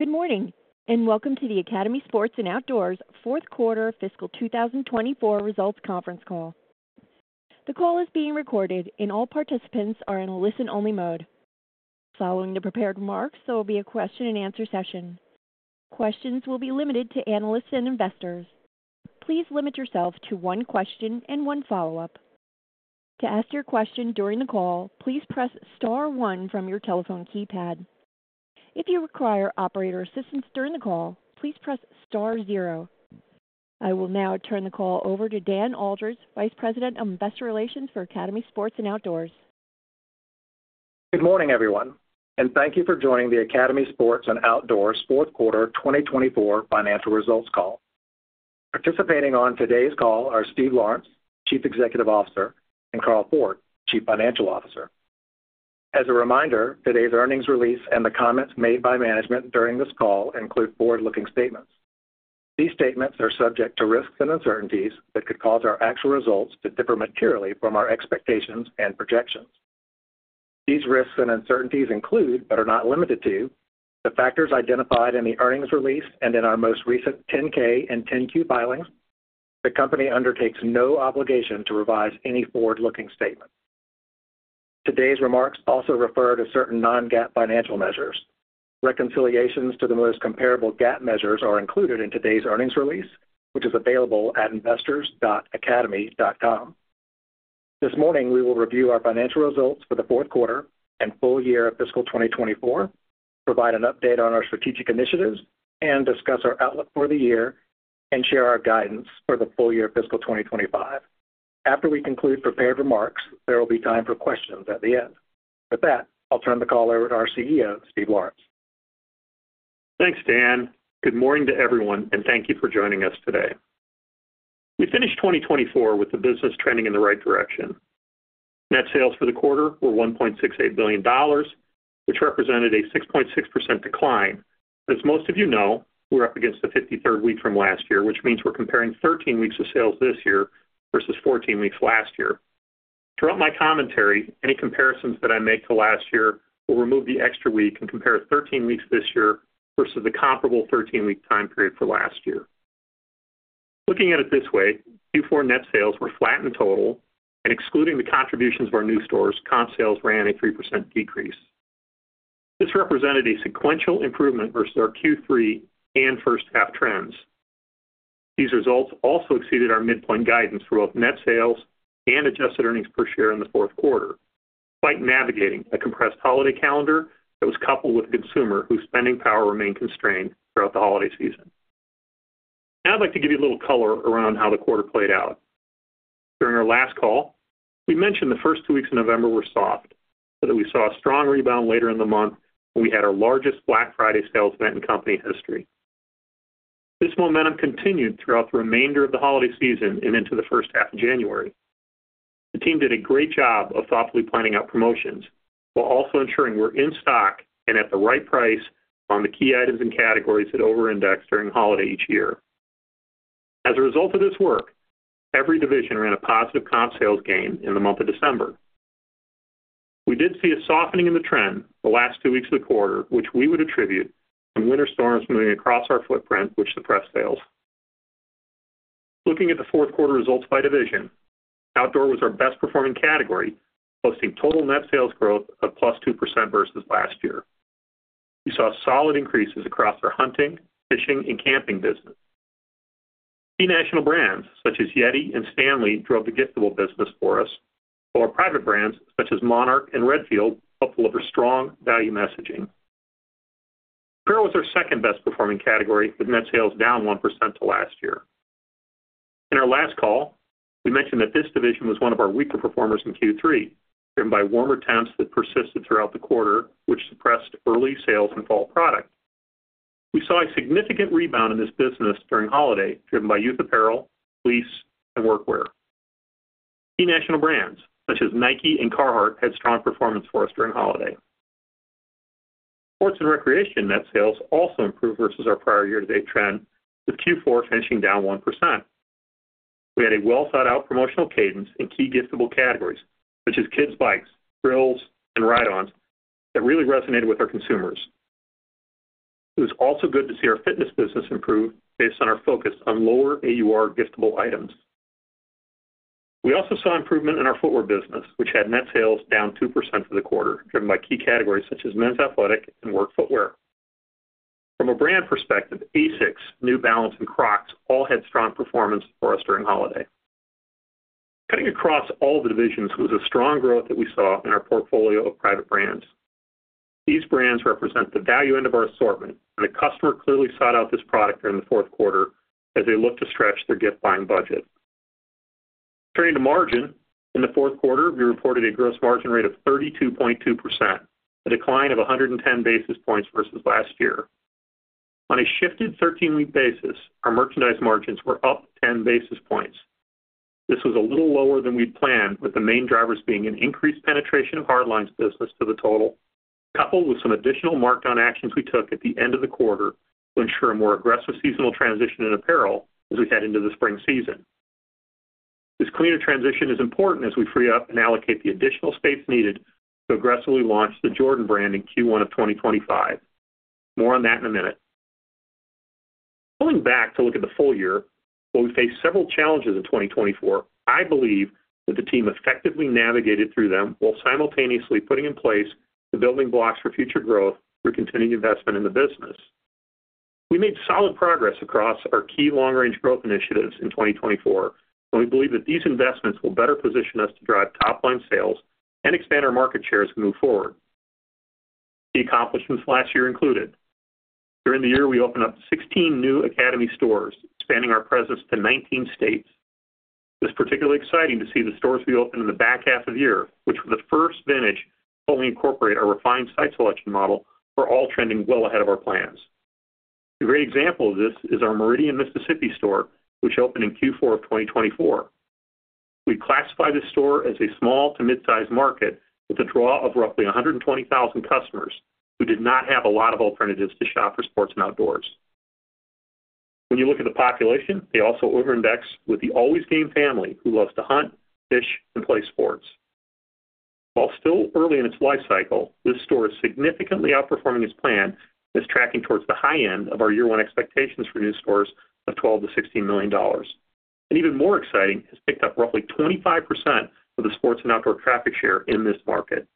Good morning and welcome to the Academy Sports & Outdoors Q4 fiscal 2024 Results Conference Call. The Call is being recorded and all participants are in a listen-only mode. Following the prepared remarks, there will be a question-and-answer session. Questions will be limited to analysts and investors. Please limit yourself to one question and one follow-up. To ask your question during the call, please press star one from your telephone keypad. If you require operator assistance during the call, please press star zero. I will now turn the call over to Dan Aldridge, Vice President of Investor Relations for Academy Sports & Outdoors. Good morning, everyone, and thank you for joining the Academy Sports & Outdoors Q4 2024 Financial Results Call. Participating on today's call are Steve Lawrence, Chief Executive Officer, and Carl Ford, Chief Financial Officer. As a reminder, today's earnings release and the comments made by management during this call include forward-looking statements. These statements are subject to risks and uncertainties that could cause our actual results to differ materially from our expectations and projections. These risks and uncertainties include, but are not limited to, the factors identified in the earnings release and in our most recent 10-K and 10-Q filings. The company undertakes no obligation to revise any forward-looking statement. Today's remarks also refer to certain non-GAAP financial measures. Reconciliations to the most comparable GAAP measures are included in today's earnings release, which is available at investors.academy.com. This morning, we will review our financial results for the Q4 and full year of fiscal 2024, provide an update on our strategic initiatives, discuss our outlook for the year, and share our guidance for the full year of fiscal 2025. After we conclude prepared remarks, there will be time for questions at the end. With that, I'll turn the call over to our CEO, Steve Lawrence. Thanks, Dan. Good morning to everyone, and thank you for joining us today. We finished 2024 with the business trending in the right direction. Net sales for the quarter were $1.68 billion, which represented a 6.6% decline. As most of you know, we're up against the 53rd week from last year, which means we're comparing 13 weeks of sales this year versus 14 weeks last year. Throughout my commentary, any comparisons that I make to last year will remove the extra week and compare 13 weeks this year versus the comparable 13-week time period for last year. Looking at it this way, Q4 net sales were flat in total, and excluding the contributions of our new stores, comp sales ran a 3% decrease. This represented a sequential improvement versus our Q3 and first-half trends. These results also exceeded our midpoint guidance for both net sales and adjusted earnings per share in the Q4, despite navigating a compressed holiday calendar that was coupled with a consumer whose spending power remained constrained throughout the holiday season. Now, I'd like to give you a little color around how the quarter played out. During our last call, we mentioned the first two weeks in November were soft, but that we saw a strong rebound later in the month when we had our largest Black Friday sales event in company history. This momentum continued throughout the remainder of the holiday season and into the first half of January. The team did a great job of thoughtfully planning out promotions while also ensuring we're in stock and at the right price on the key items and categories that over-index during the holiday each year. As a result of this work, every division ran a positive comp sales gain in the month of December. We did see a softening in the trend the last two weeks of the quarter, which we would attribute to winter storms moving across our footprint, which suppressed sales. Looking at the Q4 results by division, outdoor was our best-performing category, posting total net sales growth of +2% versus last year. We saw solid increases across our hunting, fishing, and camping business. Key national brands such as Yeti and Stanley drove the giftable business for us, while our private brands such as Monarch and Redfield helped deliver strong value messaging. Apparel was our second best-performing category, with net sales down 1% to last year. In our last call, we mentioned that this division was one of our weaker performers in Q3, driven by warmer temps that persisted throughout the quarter, which suppressed early sales and fall product. We saw a significant rebound in this business during the holiday, driven by youth apparel, fleece, and workwear. Key national brands such as Nike and Carhartt had strong performance for us during the holiday. Sports and recreation net sales also improved versus our prior year-to-date trend, with Q4 finishing down 1%. We had a well-thought-out promotional cadence in key giftable categories such as kids' bikes, grills, and ride-ons that really resonated with our consumers. It was also good to see our fitness business improve based on our focus on lower AUR giftable items. We also saw improvement in our footwear business, which had net sales down 2% for the quarter, driven by key categories such as men's athletic and work footwear. From a brand perspective, ASICS, New Balance, and Crocs all had strong performance for us during the holiday. Cutting across all the divisions, it was a strong growth that we saw in our portfolio of private brands. These brands represent the value end of our assortment, and the customer clearly sought out this product during the Q4 as they looked to stretch their gift-buying budget. Turning to margin, in the Q4, we reported a gross margin rate of 32.2%, a decline of 110 basis points versus last year. On a shifted 13-week basis, our merchandise margins were up 10 basis points. This was a little lower than we'd planned, with the main drivers being an increased penetration of hardlines business to the total, coupled with some additional markdown actions we took at the end of the quarter to ensure a more aggressive seasonal transition in apparel as we head into the spring season. This cleaner transition is important as we free up and allocate the additional space needed to aggressively launch the Jordan brand in Q1 of 2025. More on that in a minute. Pulling back to look at the full year, while we faced several challenges in 2024, I believe that the team effectively navigated through them while simultaneously putting in place the building blocks for future growth through continued investment in the business. We made solid progress across our key long-range growth initiatives in 2024, and we believe that these investments will better position us to drive top-line sales and expand our market shares to move forward. Key accomplishments last year included: during the year, we opened up 16 new Academy stores, expanding our presence to 19 states. It was particularly exciting to see the stores we opened in the back half of the year, which were the first vintage to fully incorporate our refined site selection model, were all trending well ahead of our plans. A great example of this is our Meridian, Mississippi store, which opened in Q4 of 2024. We classify this store as a small to mid-sized market with a draw of roughly 120,000 customers who did not have a lot of alternatives to shop for sports and outdoors. When you look at the population, they also over-index with the always game family who loves to hunt, fish, and play sports. While still early in its life cycle, this store is significantly outperforming its plan and is tracking towards the high end of our year-one expectations for new stores of $12-$16 million. Even more exciting, it has picked up roughly 25% of the sports and outdoor traffic share in this market.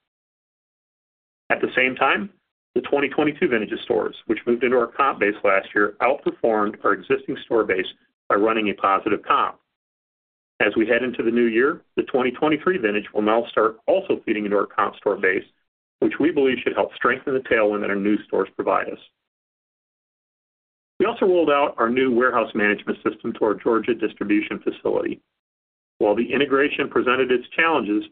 At the same time, the 2022 vintage stores, which moved into our comp base last year, outperformed our existing store base by running a positive comp. As we head into the new year, the 2023 vintage will now start also feeding into our comp store base, which we believe should help strengthen the tailwind that our new stores provide us. We also rolled out our new warehouse management system to our Georgia distribution facility. While the integration presented its challenges,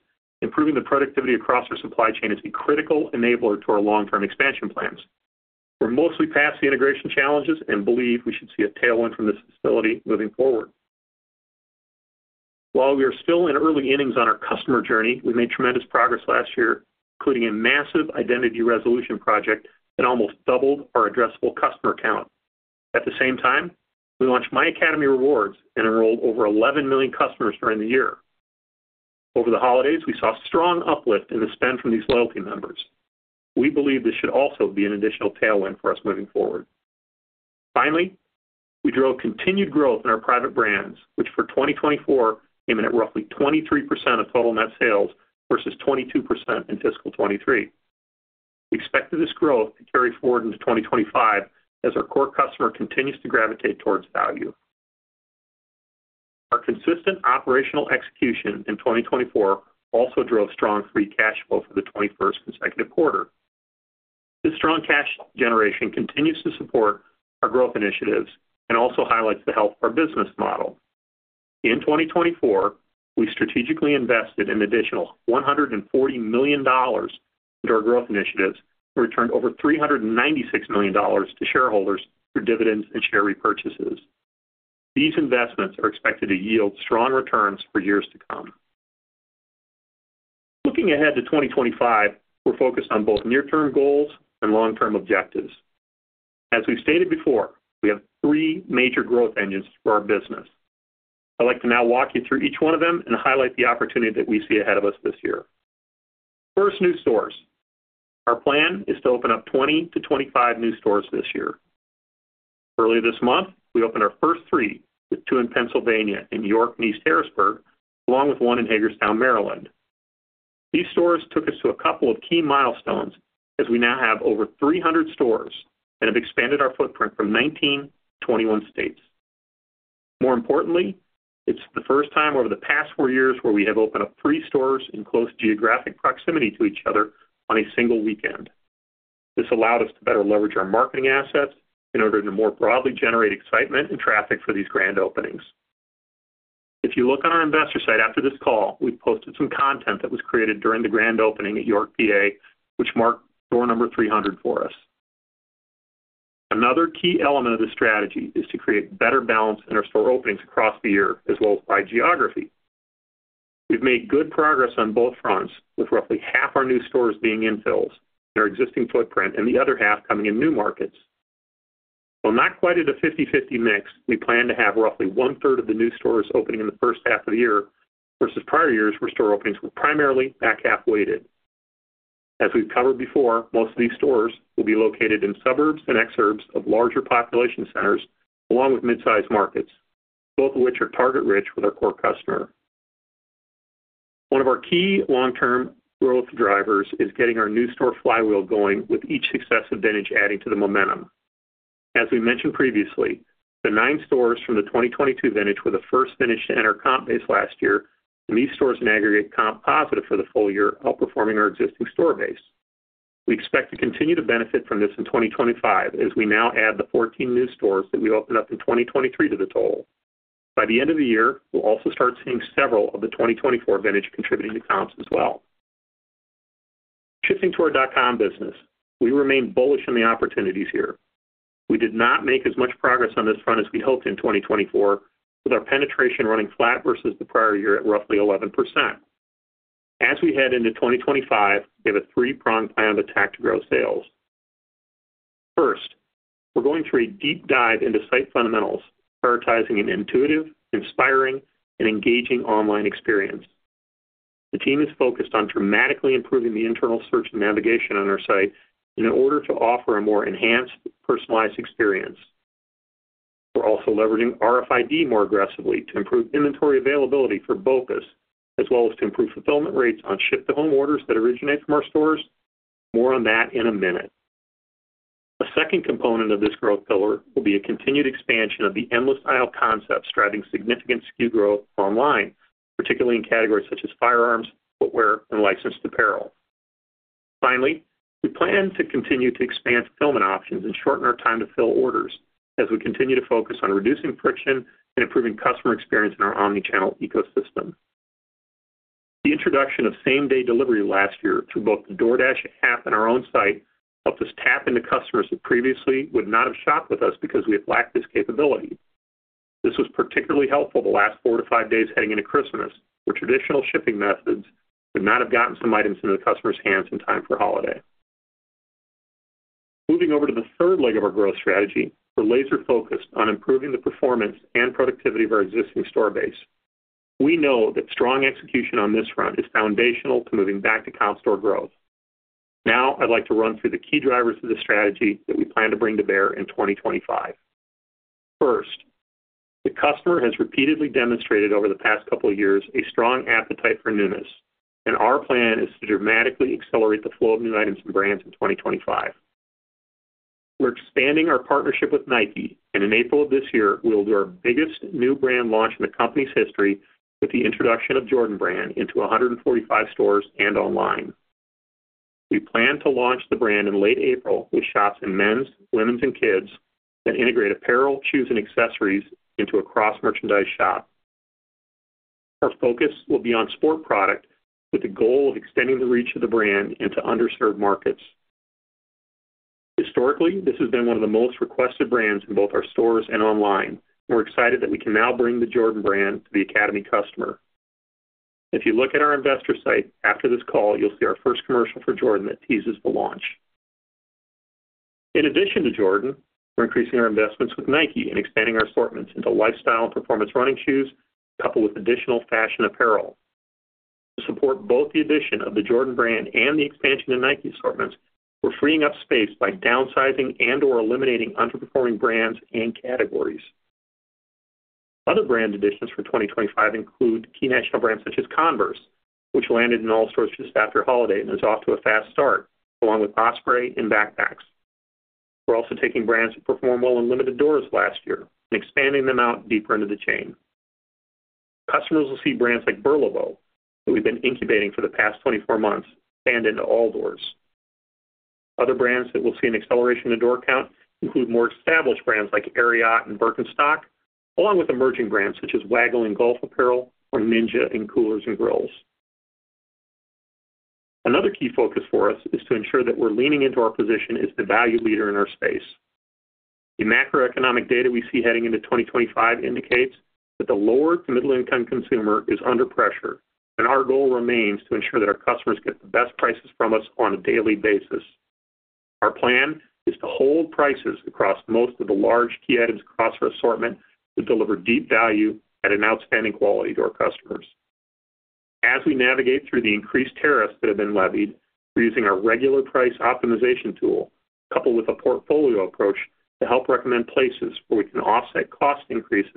improving the productivity across our supply chain is a critical enabler to our long-term expansion plans. We're mostly past the integration challenges and believe we should see a tailwind from this facility moving forward. While we are still in early innings on our customer journey, we made tremendous progress last year, including a massive identity resolution project that almost doubled our addressable customer count. At the same time, we launched My Academy Rewards and enrolled over 11 million customers during the year. Over the holidays, we saw a strong uplift in the spend from these loyalty members. We believe this should also be an additional tailwind for us moving forward. Finally, we drove continued growth in our private brands, which for 2024 came in at roughly 23% of total net sales versus 22% in fiscal 2023. We expect this growth to carry forward into 2025 as our core customer continues to gravitate towards value. Our consistent operational execution in 2024 also drove strong free cash flow for the 21st consecutive quarter. This strong cash generation continues to support our growth initiatives and also highlights the health of our business model. In 2024, we strategically invested an additional $140 million into our growth initiatives and returned over $396 million to shareholders through dividends and share repurchases. These investments are expected to yield strong returns for years to come. Looking ahead to 2025, we're focused on both near-term goals and long-term objectives. As we've stated before, we have three major growth engines for our business. I'd like to now walk you through each one of them and highlight the opportunity that we see ahead of us this year. First, new stores. Our plan is to open up 20-25 new stores this year. Earlier this month, we opened our first three, with two in Pennsylvania in York and East Harrisburg, along with one in Hagerstown, Maryland. These stores took us to a couple of key milestones as we now have over 300 stores and have expanded our footprint from 19 to 21 states. More importantly, it's the first time over the past four years where we have opened up three stores in close geographic proximity to each other on a single weekend. This allowed us to better leverage our marketing assets in order to more broadly generate excitement and traffic for these grand openings. If you look on our investor site after this call, we've posted some content that was created during the grand opening at York, Pennsylvania, which marked door number 300 for us. Another key element of the strategy is to create better balance in our store openings across the year, as well as by geography. We've made good progress on both fronts, with roughly half our new stores being infills in our existing footprint and the other half coming in new markets. While not quite at a 50/50 mix, we plan to have roughly one-third of the new stores opening in the first half of the year versus prior years where store openings were primarily back-half weighted. As we've covered before, most of these stores will be located in suburbs and exurbs of larger population centers, along with mid-sized markets, both of which are target-rich with our core customer. One of our key long-term growth drivers is getting our new store flywheel going with each successive vintage adding to the momentum. As we mentioned previously, the nine stores from the 2022 vintage were the first vintage to enter comp base last year, and these stores in aggregate comp positive for the full year, outperforming our existing store base. We expect to continue to benefit from this in 2025 as we now add the 14 new stores that we opened up in 2023 to the total. By the end of the year, we'll also start seeing several of the 2024 vintage contributing to comps as well. Shifting to our dot-com business, we remain bullish on the opportunities here. We did not make as much progress on this front as we hoped in 2024, with our penetration running flat versus the prior year at roughly 11%. As we head into 2025, we have a three-pronged plan of attack to grow sales. First, we're going through a deep dive into site fundamentals, prioritizing an intuitive, inspiring, and engaging online experience. The team is focused on dramatically improving the internal search and navigation on our site in order to offer a more enhanced, personalized experience. We're also leveraging RFID more aggressively to improve inventory availability for BOPUS, as well as to improve fulfillment rates on ship-to-home orders that originate from our stores. More on that in a minute. A second component of this growth pillar will be a continued expansion of the endless aisle concept, driving significant SKU growth online, particularly in categories such as firearms, footwear, and licensed apparel. Finally, we plan to continue to expand fulfillment options and shorten our time to fill orders as we continue to focus on reducing friction and improving customer experience in our omnichannel ecosystem. The introduction of same-day delivery last year through both the DoorDash app and our own site helped us tap into customers who previously would not have shopped with us because we have lacked this capability. This was particularly helpful the last four to five days heading into Christmas, where traditional shipping methods would not have gotten some items into the customer's hands in time for holiday. Moving over to the third leg of our growth strategy, we're laser-focused on improving the performance and productivity of our existing store base. We know that strong execution on this front is foundational to moving back to comp store growth. Now, I'd like to run through the key drivers of the strategy that we plan to bring to bear in 2025. First, the customer has repeatedly demonstrated over the past couple of years a strong appetite for newness, and our plan is to dramatically accelerate the flow of new items and brands in 2025. We're expanding our partnership with Nike, and in April of this year, we'll do our biggest new brand launch in the company's history with the introduction of Jordan brand into 145 stores and online. We plan to launch the brand in late April with shops in men's, women's, and kids that integrate apparel, shoes, and accessories into a cross-merchandise shop. Our focus will be on sport product with the goal of extending the reach of the brand into underserved markets. Historically, this has been one of the most requested brands in both our stores and online, and we're excited that we can now bring the Jordan brand to the Academy customer. If you look at our investor site after this call, you'll see our first commercial for Jordan that teases the launch. In addition to Jordan, we're increasing our investments with Nike and expanding our assortments into lifestyle and performance running shoes, coupled with additional fashion apparel. To support both the addition of the Jordan brand and the expansion in Nike assortments, we're freeing up space by downsizing and/or eliminating underperforming brands and categories. Other brand additions for 2025 include key national brands such as Converse, which landed in all stores just after holiday and is off to a fast start, along with Osprey in backpacks. We're also taking brands that perform well in limited doors last year and expanding them out deeper into the chain. Customers will see brands like BURLEBO that we've been incubating for the past 24 months expand into all doors. Other brands that will see an acceleration in door count include more established brands like Ariat and Birkenstock, along with emerging brands such as Waggle in golf apparel or Ninja in coolers and grills. Another key focus for us is to ensure that we're leaning into our position as the value leader in our space. The macroeconomic data we see heading into 2025 indicates that the lower to middle-income consumer is under pressure, and our goal remains to ensure that our customers get the best prices from us on a daily basis. Our plan is to hold prices across most of the large key items across our assortment to deliver deep value at an outstanding quality to our customers. As we navigate through the increased tariffs that have been levied, we're using our regular price optimization tool, coupled with a portfolio approach to help recommend places where we can offset cost increases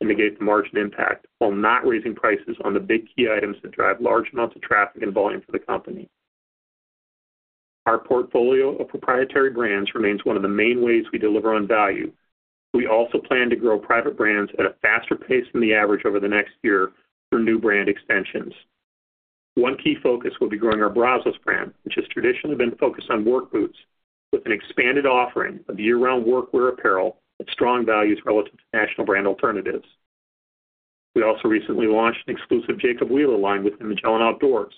to mitigate the margin impact while not raising prices on the big key items that drive large amounts of traffic and volume for the company. Our portfolio of proprietary brands remains one of the main ways we deliver on value. We also plan to grow private brands at a faster pace than the average over the next year through new brand extensions. One key focus will be growing our Brazos brand, which has traditionally been focused on work boots, with an expanded offering of year-round workwear apparel at strong values relative to national brand alternatives. We also recently launched an exclusive Jacob Wheeler line within Magellan Outdoors.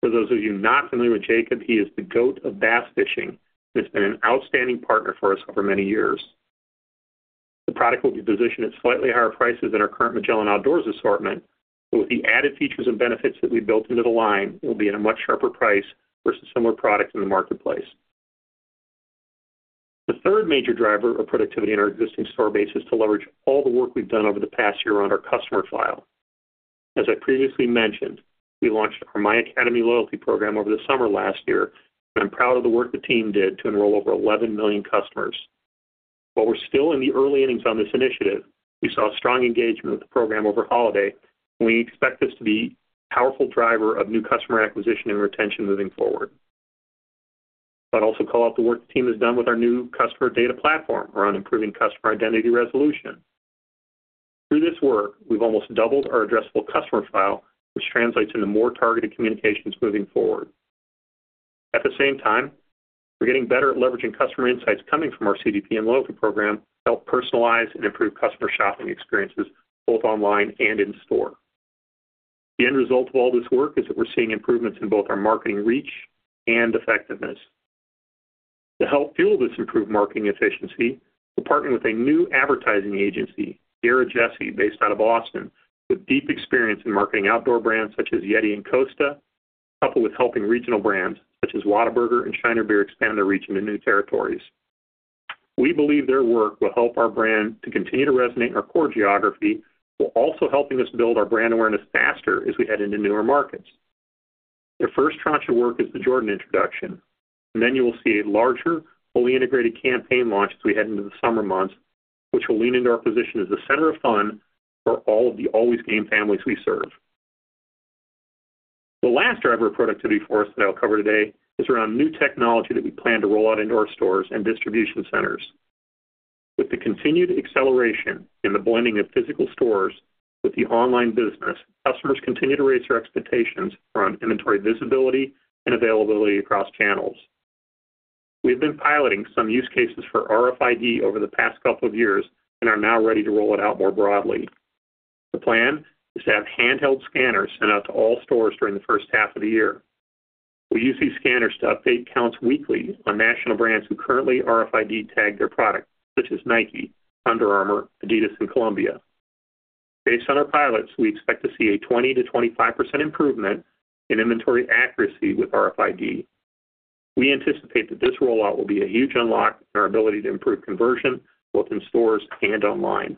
For those of you not familiar with Jacob, he is the GOAT of bass fishing and has been an outstanding partner for us over many years. The product will be positioned at slightly higher prices than our current Magellan Outdoors assortment, but with the added features and benefits that we built into the line, it will be at a much sharper price versus similar products in the marketplace. The third major driver of productivity in our existing store base is to leverage all the work we've done over the past year around our customer file. As I previously mentioned, we launched our My Academy loyalty program over the summer last year, and I'm proud of the work the team did to enroll over 11 million customers. While we're still in the early innings on this initiative, we saw strong engagement with the program over holiday, and we expect this to be a powerful driver of new customer acquisition and retention moving forward. I'd also call out the work the team has done with our new customer data platform around improving customer identity resolution. Through this work, we've almost doubled our addressable customer file, which translates into more targeted communications moving forward. At the same time, we're getting better at leveraging customer insights coming from our CDP and loyalty program to help personalize and improve customer shopping experiences both online and in store. The end result of all this work is that we're seeing improvements in both our marketing reach and effectiveness. To help fuel this improved marketing efficiency, we're partnering with a new advertising agency, McGarrah Jessee, based out of Austin, with deep experience in marketing outdoor brands such as Yeti and Costa, coupled with helping regional brands such as Whataburger and Shiner Beer expand their reach into new territories. We believe their work will help our brand to continue to resonate in our core geography, while also helping us build our brand awareness faster as we head into newer markets. Their first tranche of work is the Jordan introduction, and then you will see a larger, fully integrated campaign launch as we head into the summer months, which will lean into our position as the center of fun for all of the always game families we serve. The last driver of productivity for us that I'll cover today is around new technology that we plan to roll out into our stores and distribution centers. With the continued acceleration in the blending of physical stores with the online business, customers continue to raise their expectations around inventory visibility and availability across channels. We've been piloting some use cases for RFID over the past couple of years and are now ready to roll it out more broadly. The plan is to have handheld scanners sent out to all stores during the first half of the year. We use these scanners to update counts weekly on national brands who currently RFID-tag their product, such as Nike, Under Armour, Adidas, and Columbia. Based on our pilots, we expect to see a 20-25% improvement in inventory accuracy with RFID. We anticipate that this rollout will be a huge unlock in our ability to improve conversion both in stores and online.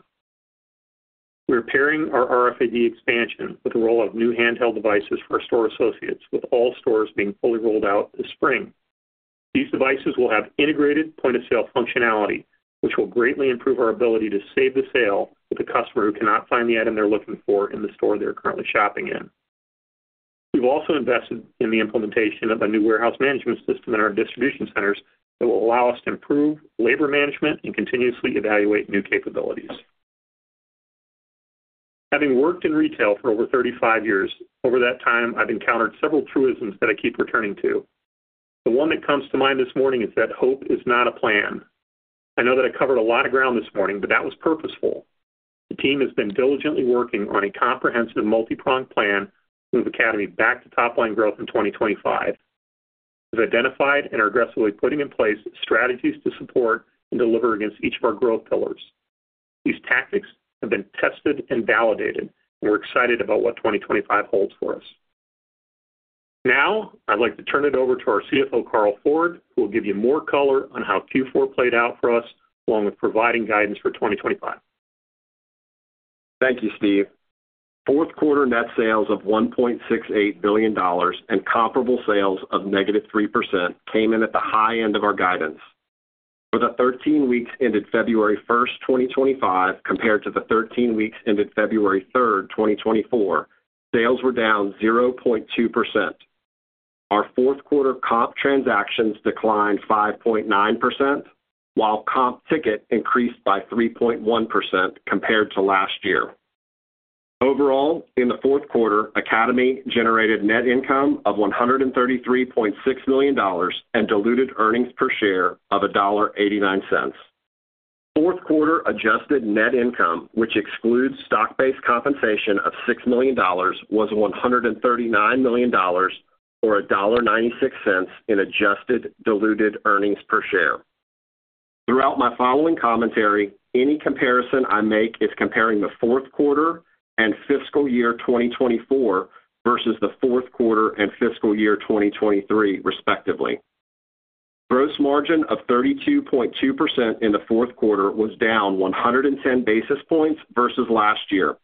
We're pairing our RFID expansion with the rollout of new handheld devices for our store associates, with all stores being fully rolled out this spring. These devices will have integrated point-of-sale functionality, which will greatly improve our ability to save the sale with a customer who cannot find the item they're looking for in the store they're currently shopping in. We've also invested in the implementation of a new warehouse management system in our distribution centers that will allow us to improve labor management and continuously evaluate new capabilities. Having worked in retail for over 35 years, over that time, I've encountered several truisms that I keep returning to. The one that comes to mind this morning is that hope is not a plan. I know that I covered a lot of ground this morning, but that was purposeful. The team has been diligently working on a comprehensive multi-pronged plan to move Academy back to top-line growth in 2025. We've identified and are aggressively putting in place strategies to support and deliver against each of our growth pillars. These tactics have been tested and validated, and we're excited about what 2025 holds for us. Now, I'd like to turn it over to our CFO, Carl Ford, who will give you more color on how Q4 played out for us, along with providing guidance for 2025. Thank you, Steve. Q4 net sales of $1.68 billion and comparable sales of negative 3% came in at the high end of our guidance. For the 13 weeks ended 1 February 2025, compared to the 13 weeks ended 3 February 2024, sales were down 0.2%. Our Q4 comp transactions declined 5.9%, while comp ticket increased by 3.1% compared to last year. Overall, in the Q4, Academy generated net income of $133.6 million and diluted earnings per share of $1.89. Q4 adjusted net income, which excludes stock-based compensation of $6 million, was $139 million or $1.96 in adjusted diluted earnings per share. Throughout my following commentary, any comparison I make is comparing the Q4 and fiscal year 2024 versus the Q4 and fiscal year 2023, respectively. Gross margin of 32.2% in the Q4 was down 110 basis points versus last year,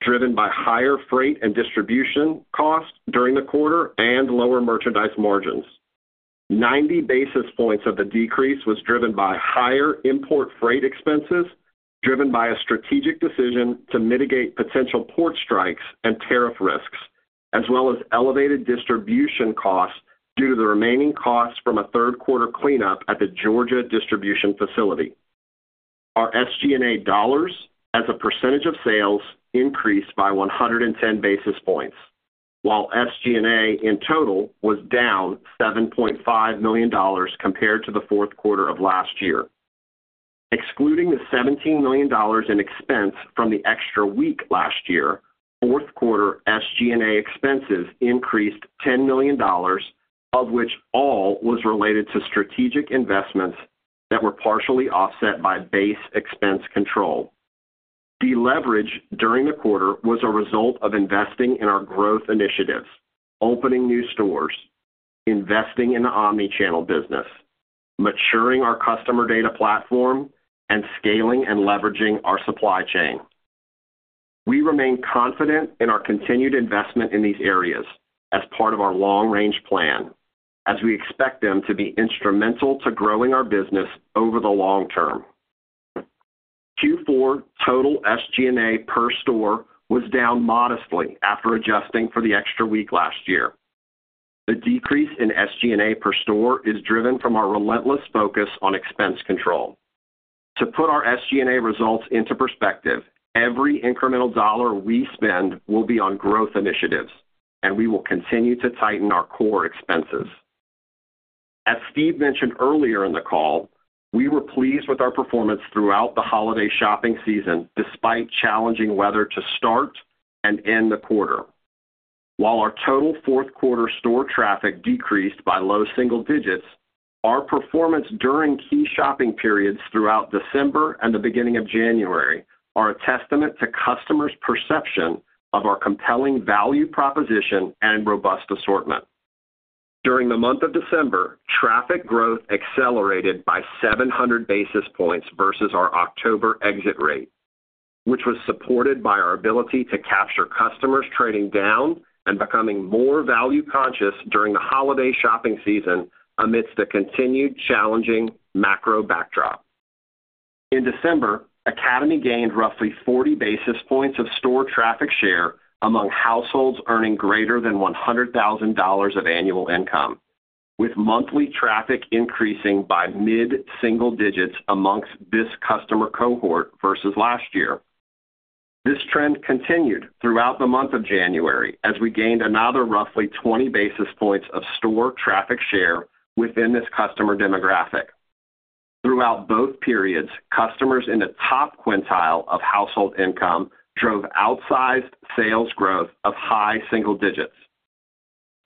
driven by higher freight and distribution costs during the quarter and lower merchandise margins. 90 basis points of the decrease was driven by higher import freight expenses, driven by a strategic decision to mitigate potential port strikes and tariff risks, as well as elevated distribution costs due to the remaining costs from a third quarter cleanup at the Georgia distribution facility. Our SG&A dollars as a percentage of sales increased by 110 basis points, while SG&A in total was down $7.5 million compared to the Q4 of last year. Excluding the $17 million in expense from the extra week last year, Q4 SG&A expenses increased $10 million, of which all was related to strategic investments that were partially offset by base expense control. The leverage during the quarter was a result of investing in our growth initiatives, opening new stores, investing in the omnichannel business, maturing our customer data platform, and scaling and leveraging our supply chain. We remain confident in our continued investment in these areas as part of our long-range plan, as we expect them to be instrumental to growing our business over the long term. Q4 total SG&A per store was down modestly after adjusting for the extra week last year. The decrease in SG&A per store is driven from our relentless focus on expense control. To put our SG&A results into perspective, every incremental dollar we spend will be on growth initiatives, and we will continue to tighten our core expenses. As Steve mentioned earlier in the call, we were pleased with our performance throughout the holiday shopping season despite challenging weather to start and end the quarter. While our total Q4 store traffic decreased by low single digits, our performance during key shopping periods throughout December and the beginning of January are a testament to customers' perception of our compelling value proposition and robust assortment. During the month of December, traffic growth accelerated by 700 basis points versus our October exit rate, which was supported by our ability to capture customers trading down and becoming more value-conscious during the holiday shopping season amidst the continued challenging macro backdrop. In December, Academy gained roughly 40 basis points of store traffic share among households earning greater than $100,000 of annual income, with monthly traffic increasing by mid-single digits amongst this customer cohort versus last year. This trend continued throughout the month of January as we gained another roughly 20 basis points of store traffic share within this customer demographic. Throughout both periods, customers in the top quintile of household income drove outsized sales growth of high single digits.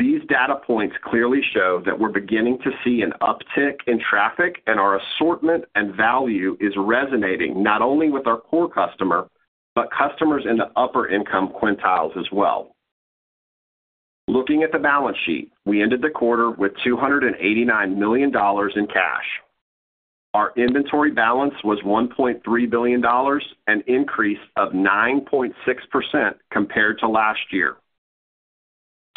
These data points clearly show that we're beginning to see an uptick in traffic, and our assortment and value is resonating not only with our core customer but customers in the upper income quintiles as well. Looking at the balance sheet, we ended the quarter with $289 million in cash. Our inventory balance was $1.3 billion, an increase of 9.6% compared to last year.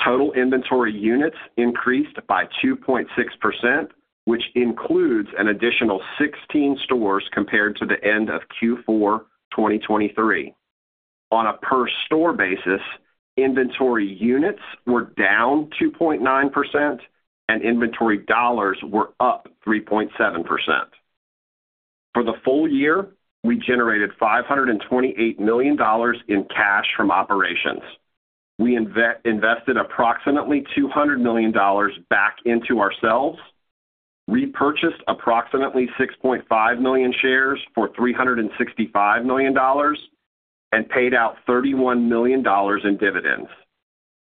Total inventory units increased by 2.6%, which includes an additional 16 stores compared to the end of Q4 2023. On a per-store basis, inventory units were down 2.9%, and inventory dollars were up 3.7%. For the full year, we generated $528 million in cash from operations. We invested approximately $200 million back into ourselves, repurchased approximately 6.5 million shares for $365 million, and paid out $31 million in dividends.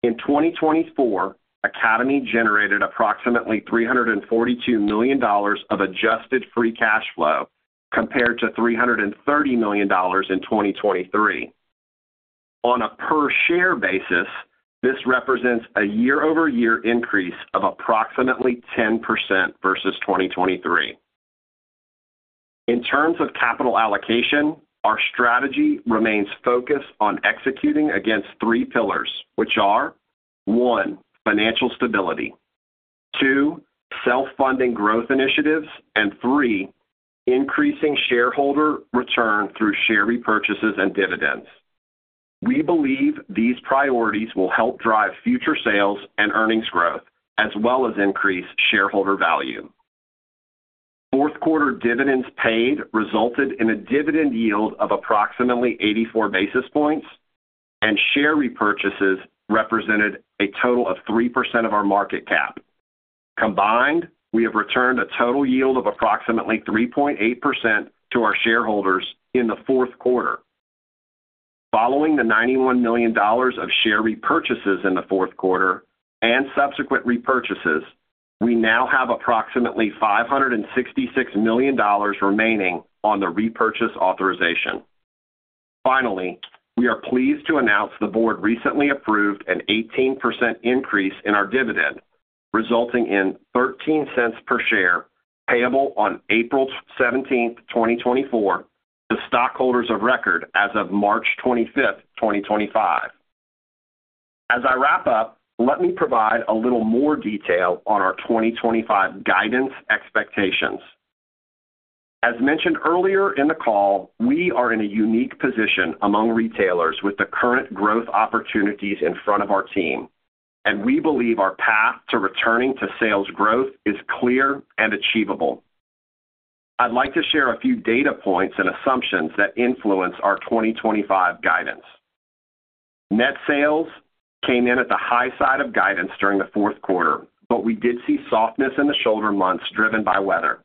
In 2024, Academy generated approximately $342 million of adjusted free cash flow compared to $330 million in 2023. On a per-share basis, this represents a year-over-year increase of approximately 10% versus 2023. In terms of capital allocation, our strategy remains focused on executing against three pillars, which are: one, financial stability; two, self-funding growth initiatives; and three, increasing shareholder return through share repurchases and dividends. We believe these priorities will help drive future sales and earnings growth, as well as increase shareholder value. Q4 dividends paid resulted in a dividend yield of approximately 84 basis points, and share repurchases represented a total of 3% of our market cap. Combined, we have returned a total yield of approximately 3.8% to our shareholders in the Q4. Following the $91 million of share repurchases in the Q4 and subsequent repurchases, we now have approximately $566 million remaining on the repurchase authorization. Finally, we are pleased to announce the board recently approved an 18% increase in our dividend, resulting in $0.13 per share payable on April 17, 2024, to stockholders of record as of March 25, 2025. As I wrap up, let me provide a little more detail on our 2025 guidance expectations. As mentioned earlier in the call, we are in a unique position among retailers with the current growth opportunities in front of our team, and we believe our path to returning to sales growth is clear and achievable. I'd like to share a few data points and assumptions that influence our 2025 guidance. Net sales came in at the high side of guidance during the Q4, but we did see softness in the shoulder months driven by weather,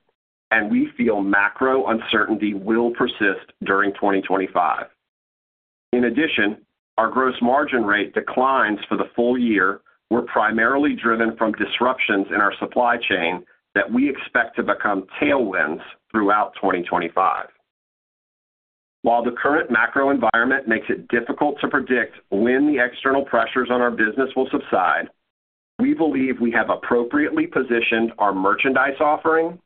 and we feel macro uncertainty will persist during 2025. In addition, our gross margin rate declines for the full year were primarily driven from disruptions in our supply chain that we expect to become tailwinds throughout 2025. While the current macro environment makes it difficult to predict when the external pressures on our business will subside, we believe we have appropriately positioned our merchandise offering,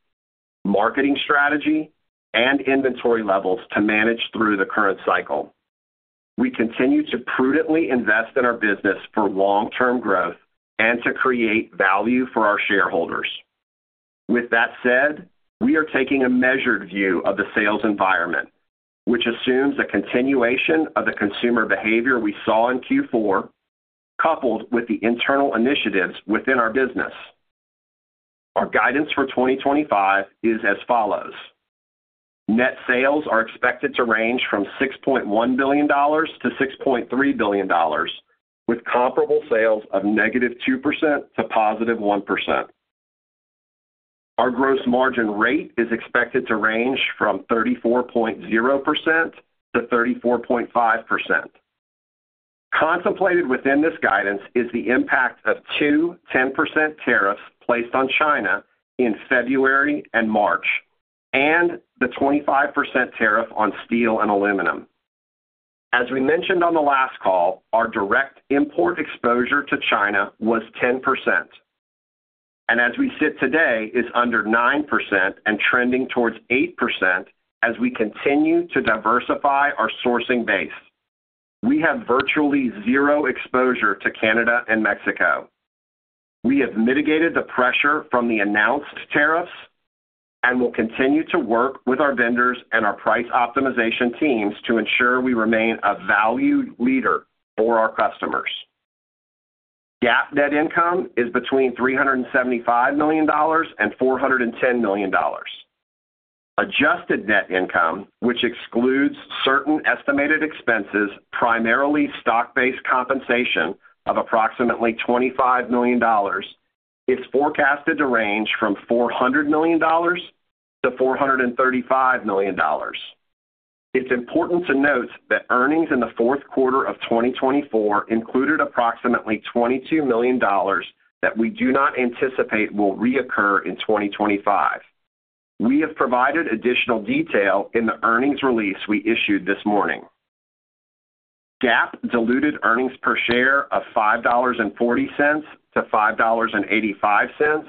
marketing strategy, and inventory levels to manage through the current cycle. We continue to prudently invest in our business for long-term growth and to create value for our shareholders. With that said, we are taking a measured view of the sales environment, which assumes a continuation of the consumer behavior we saw in Q4, coupled with the internal initiatives within our business. Our guidance for 2025 is as follows: net sales are expected to range from $6.1 billion to $6.3 billion, with comparable sales of negative 2% to positive 1%. Our gross margin rate is expected to range from 34.0% to 34.5%. Contemplated within this guidance is the impact of two 10% tariffs placed on China in February and March, and the 25% tariff on steel and aluminum. As we mentioned on the last call, our direct import exposure to China was 10%, and as we sit today, it is under 9% and trending towards 8% as we continue to diversify our sourcing base. We have virtually zero exposure to Canada and Mexico. We have mitigated the pressure from the announced tariffs and will continue to work with our vendors and our price optimization teams to ensure we remain a valued leader for our customers. GAAP net income is between $375 million and $410 million. Adjusted net income, which excludes certain estimated expenses, primarily stock-based compensation of approximately $25 million, is forecasted to range from $400 million to $435 million. It's important to note that earnings in the Q4 of 2024 included approximately $22 million that we do not anticipate will reoccur in 2025. We have provided additional detail in the earnings release we issued this morning. GAAP diluted earnings per share of $5.40 to $5.85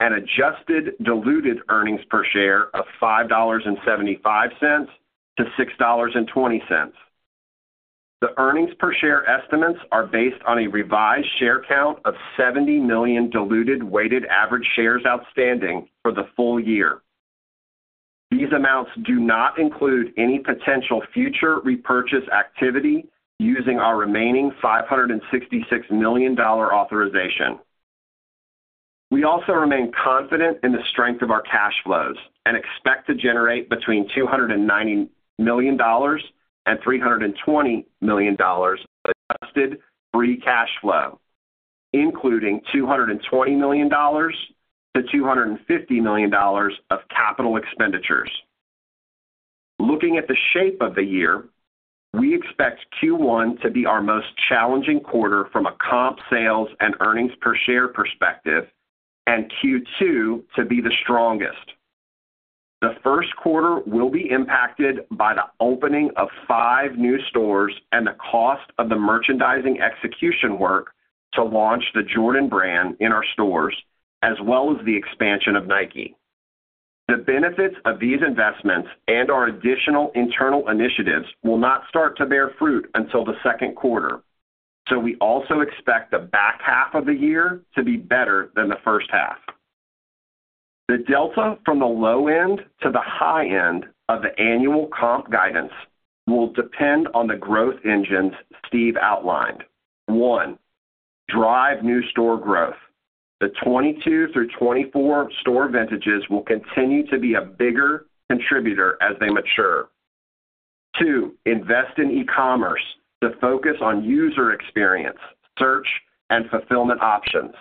and adjusted diluted earnings per share of $5.75 to $6.20. The earnings per share estimates are based on a revised share count of 70 million diluted weighted average shares outstanding for the full year. These amounts do not include any potential future repurchase activity using our remaining $566 million authorization. We also remain confident in the strength of our cash flows and expect to generate between $290 million and $320 million of adjusted free cash flow, including $220 million to $250 million of capital expenditures. Looking at the shape of the year, we expect Q1 to be our most challenging quarter from a comp sales and earnings per share perspective and Q2 to be the strongest. The first quarter will be impacted by the opening of five new stores and the cost of the merchandising execution work to launch the Jordan brand in our stores, as well as the expansion of Nike. The benefits of these investments and our additional internal initiatives will not start to bear fruit until the Q2, so we also expect the back half of the year to be better than the first half. The delta from the low end to the high end of the annual comp guidance will depend on the growth engines Steve outlined. One, drive new store growth. The 2022 through 2024 store vintages will continue to be a bigger contributor as they mature. Two, invest in e-commerce to focus on user experience, search, and fulfillment options.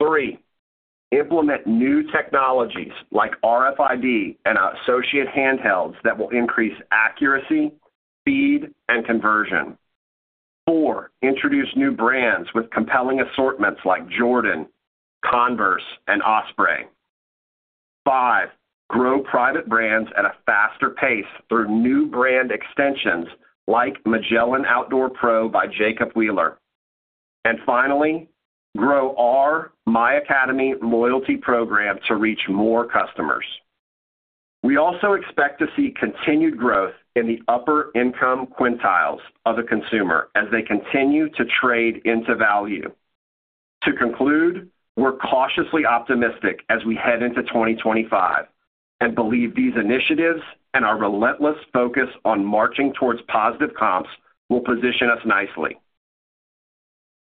Three, implement new technologies like RFID and associate handhelds that will increase accuracy, speed, and conversion. Four, introduce new brands with compelling assortments like Jordan, Converse, and Osprey. Five, grow private brands at a faster pace through new brand extensions like Magellan Outdoor Pro by Jacob Wheeler. Finally, grow our My Academy loyalty program to reach more customers. We also expect to see continued growth in the upper income quintiles of the consumer as they continue to trade into value. To conclude, we're cautiously optimistic as we head into 2025 and believe these initiatives and our relentless focus on marching towards positive comps will position us nicely.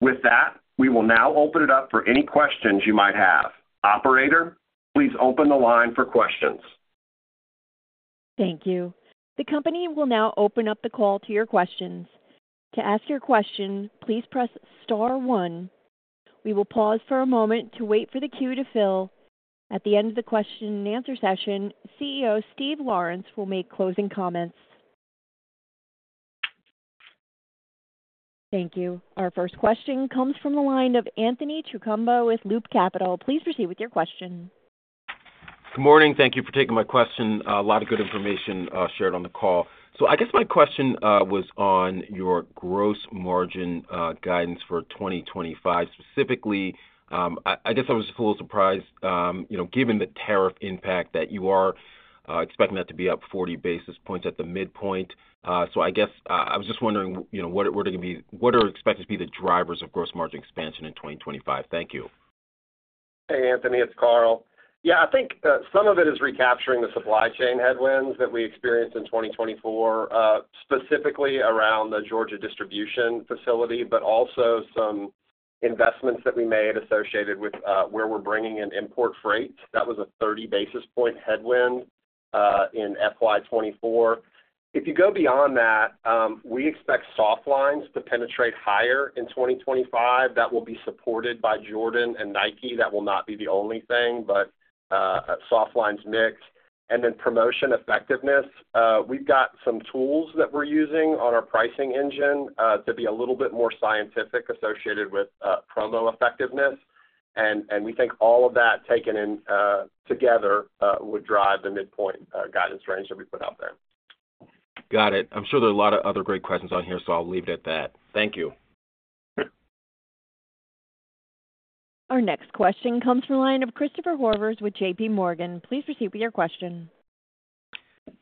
With that, we will now open it up for any questions you might have. Operator, please open the line for questions. Thank you. The company will now open up the call to your questions. To ask your question, please press star one. We will pause for a moment to wait for the queue to fill. At the end of the question and answer session, CEO Steve Lawrence will make closing comments. Thank you. Our first question comes from the line of Anthony Chukumba with Loop Capital. Please proceed with your question. Good morning. Thank you for taking my question. A lot of good information shared on the call. I guess my question was on your gross margin guidance for 2025. Specifically, I guess I was a little surprised given the tariff impact that you are expecting that to be up 40 basis points at the midpoint. I was just wondering what are expected to be the drivers of gross margin expansion in 2025. Thank you. Hey, Anthony, it's Carl. Yeah, I think some of it is recapturing the supply chain headwinds that we experienced in 2024, specifically around the Georgia distribution facility, but also some investments that we made associated with where we're bringing in import freight. That was a 30 basis point headwind in FY24. If you go beyond that, we expect softlines to penetrate higher in 2025. That will be supported by Jordan and Nike. That will not be the only thing, but softlines mix. Then promotion effectiveness. We've got some tools that we're using on our pricing engine to be a little bit more scientific associated with promo effectiveness. We think all of that taken together would drive the midpoint guidance range that we put out there. Got it. I'm sure there are a lot of other great questions on here, so I'll leave it at that. Thank you. Our next question comes from the line of Christopher Horvers with JP Morgan. Please proceed with your question.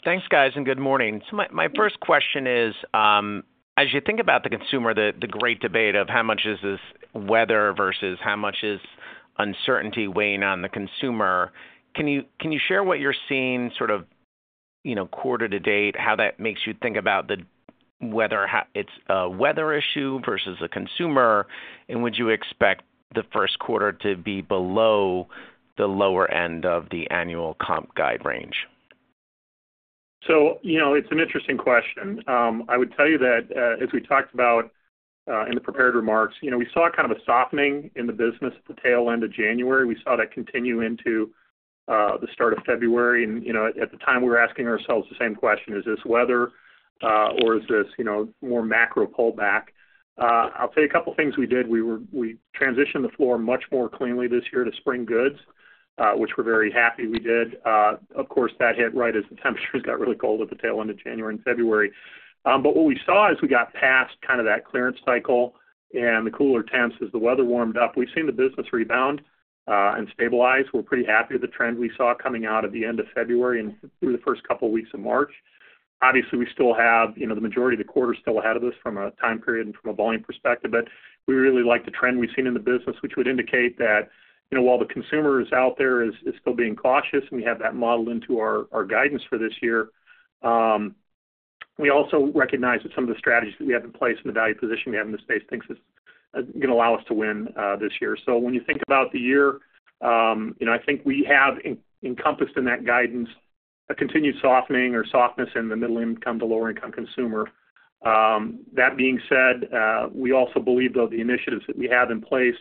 Thanks, guys, and good morning. My first question is, as you think about the consumer, the great debate of how much is this weather versus how much is uncertainty weighing on the consumer, can you share what you're seeing sort of quarter to date, how that makes you think about whether it's a weather issue versus a consumer, and would you expect the first quarter to be below the lower end of the annual comp guide range? It's an interesting question. I would tell you that as we talked about in the prepared remarks, we saw kind of a softening in the business at the tail end of January. We saw that continue into the start of February. At the time, we were asking ourselves the same question: is this weather or is this more macro pullback? I'll tell you a couple of things we did. We transitioned the floor much more cleanly this year to spring goods, which we’re very happy we did. Of course, that hit right as the temperatures got really cold at the tail end of January and February. What we saw is we got past kind of that clearance cycle and the cooler temps as the weather warmed up. We’ve seen the business rebound and stabilize. We’re pretty happy with the trend we saw coming out of the end of February and through the first couple of weeks of March. Obviously, we still have the majority of the quarter still ahead of us from a time period and from a volume perspective, but we really like the trend we've seen in the business, which would indicate that while the consumer is out there is still being cautious and we have that modeled into our guidance for this year, we also recognize that some of the strategies that we have in place and the value position we have in the space thinks it's going to allow us to win this year. When you think about the year, I think we have encompassed in that guidance a continued softening or softness in the middle-income to lower-income consumer. That being said, we also believe, though, the initiatives that we have in place,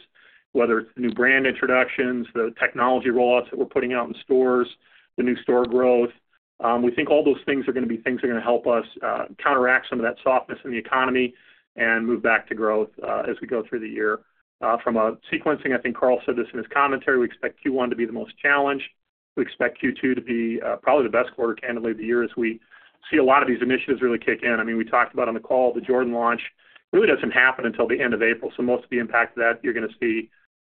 whether it's the new brand introductions, the technology rollouts that we're putting out in stores, the new store growth, we think all those things are going to be things that are going to help us counteract some of that softness in the economy and move back to growth as we go through the year. From a sequencing, I think Carl said this in his commentary, we expect Q1 to be the most challenged. We expect Q2 to be probably the best quarter candidly of the year as we see a lot of these initiatives really kick in. I mean, we talked about on the call, the Jordan launch really doesn't happen until the end of April, so most of the impact of that you're going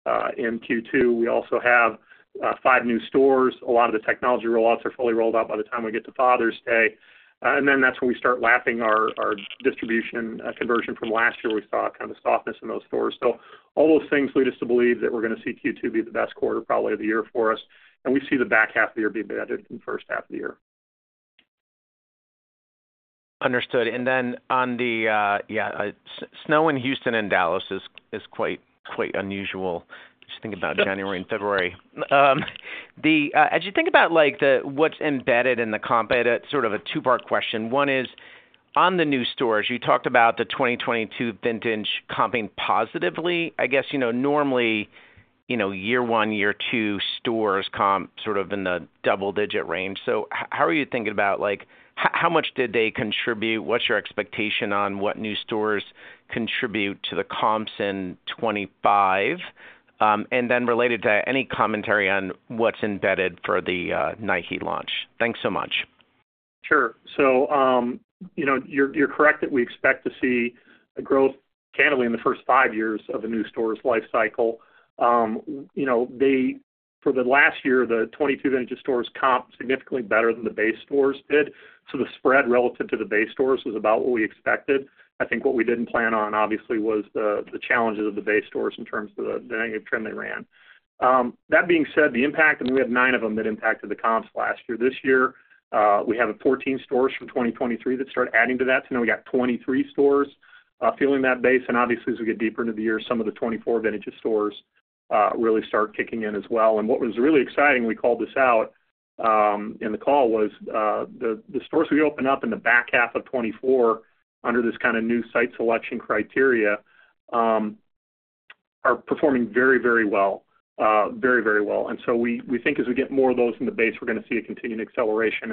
to see in Q2. We also have five new stores. A lot of the technology rollouts are fully rolled out by the time we get to Father's Day. That is when we start lapping our distribution conversion from last year where we saw kind of softness in those stores. All those things lead us to believe that we're going to see Q2 be the best quarter probably of the year for us. We see the back half of the year being better than the first half of the year. Understood. On the, yeah, snow in Houston and Dallas is quite unusual. Just think about January and February. As you think about what's embedded in the comp, I had sort of a two-part question. One is, on the new stores, you talked about the 2022 vintage comping positively. I guess normally year one, year two stores comp sort of in the double-digit range. How are you thinking about how much did they contribute? What's your expectation on what new stores contribute to the comps in 2025? Related to any commentary on what's embedded for the Nike launch. Thanks so much. Sure. You're correct that we expect to see a growth candidly in the first five years of a new store's life cycle. For the last year, the 2022 vintage stores comp significantly better than the base stores did. The spread relative to the base stores was about what we expected. I think what we didn't plan on, obviously, was the challenges of the base stores in terms of the negative trend they ran. That being said, the impact, and we had nine of them that impacted the comps last year. This year, we have 14 stores from 2023 that started adding to that. Now we got 23 stores filling that base. Obviously, as we get deeper into the year, some of the 2024 vintage stores really start kicking in as well. What was really exciting, we called this out in the call, was the stores we opened up in the back half of 2024 under this kind of new site selection criteria are performing very, very well. Very, very well. We think as we get more of those in the base, we're going to see a continued acceleration.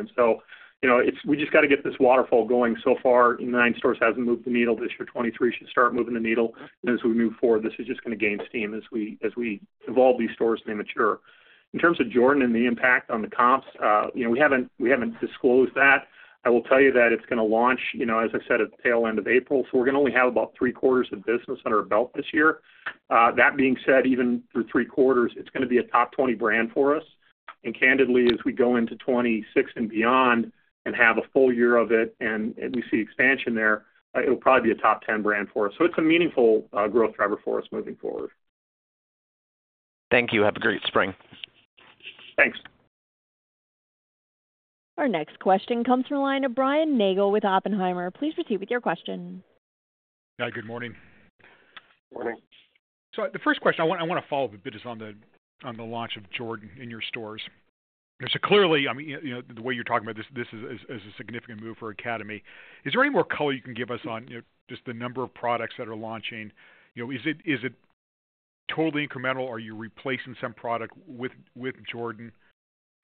We just got to get this waterfall going. So far, nine stores has not moved the needle. This year, 2023 should start moving the needle. As we move forward, this is just going to gain steam as we evolve these stores and they mature. In terms of Jordan and the impact on the comps, we have not disclosed that. I will tell you that it's going to launch, as I said, at the tail end of April. We're going to only have about three quarters of business under our belt this year. That being said, even through three quarters, it's going to be a top 20 brand for us. Candidly, as we go into 2026 and beyond and have a full year of it and we see expansion there, it'll probably be a top 10 brand for us. It's a meaningful growth driver for us moving forward. Thank you. Have a great spring. Thanks. Our next question comes from the line of Brian Nagel with Oppenheimer. Please proceed with your question. Hi, good morning. Good morning. The first question I want to follow up a bit is on the launch of Jordan in your stores. Clearly, the way you're talking about this as a significant move for Academy, is there any more color you can give us on just the number of products that are launching? Is it totally incremental? Are you replacing some product with Jordan?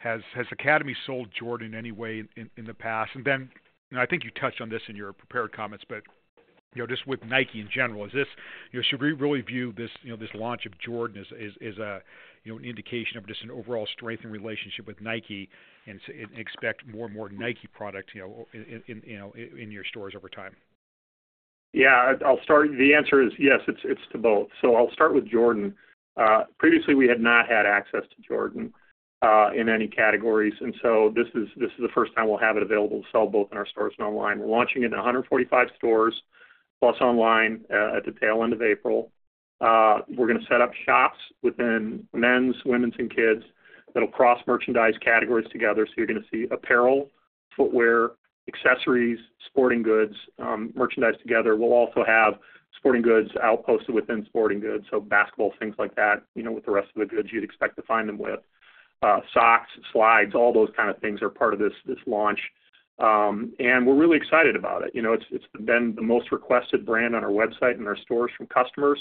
Has Academy sold Jordan in any way in the past? I think you touched on this in your prepared comments, but just with Nike in general, should we really view this launch of Jordan as an indication of just an overall strengthened relationship with Nike and expect more and more Nike product in your stores over time? Yeah. The answer is yes, it's to both. I'll start with Jordan. Previously, we had not had access to Jordan in any categories. This is the first time we'll have it available to sell both in our stores and online. We're launching it in 145 stores plus online at the tail end of April. We're going to set up shops within men's, women's, and kids that'll cross merchandise categories together. You are going to see apparel, footwear, accessories, sporting goods merchandised together. We will also have sporting goods outposted within sporting goods, so basketball, things like that, with the rest of the goods you would expect to find them with. Socks, slides, all those kind of things are part of this launch. We are really excited about it. It has been the most requested brand on our website and our stores from customers.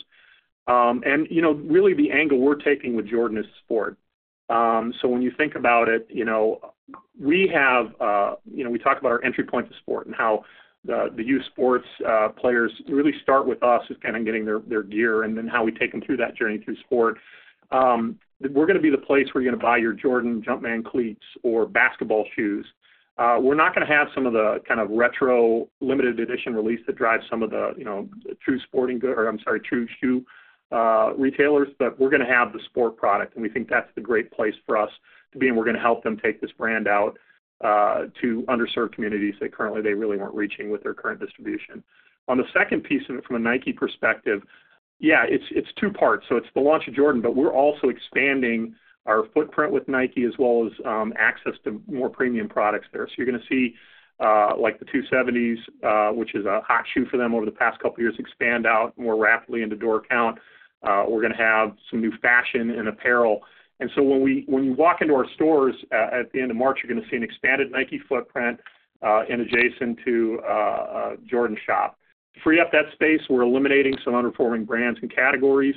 Really, the angle we are taking with Jordan is sport. When you think about it, we have talked about our entry point to sport and how the youth sports players really start with us as kind of getting their gear and then how we take them through that journey through sport. We're going to be the place where you're going to buy your Jordan, Jumpman, cleats, or basketball shoes. We're not going to have some of the kind of retro limited edition release that drives some of the true sporting good or, I'm sorry, true shoe retailers, but we're going to have the sport product. We think that's the great place for us to be. We're going to help them take this brand out to underserved communities that currently they really weren't reaching with their current distribution. On the second piece of it from a Nike perspective, yeah, it's two parts. It is the launch of Jordan, but we are also expanding our footprint with Nike as well as access to more premium products there. You are going to see the 270s, which is a hot shoe for them over the past couple of years, expand out more rapidly into door count. We are going to have some new fashion and apparel. When you walk into our stores at the end of March, you are going to see an expanded Nike footprint adjacent to the Jordan shop. To free up that space, we are eliminating some underperforming brands and categories.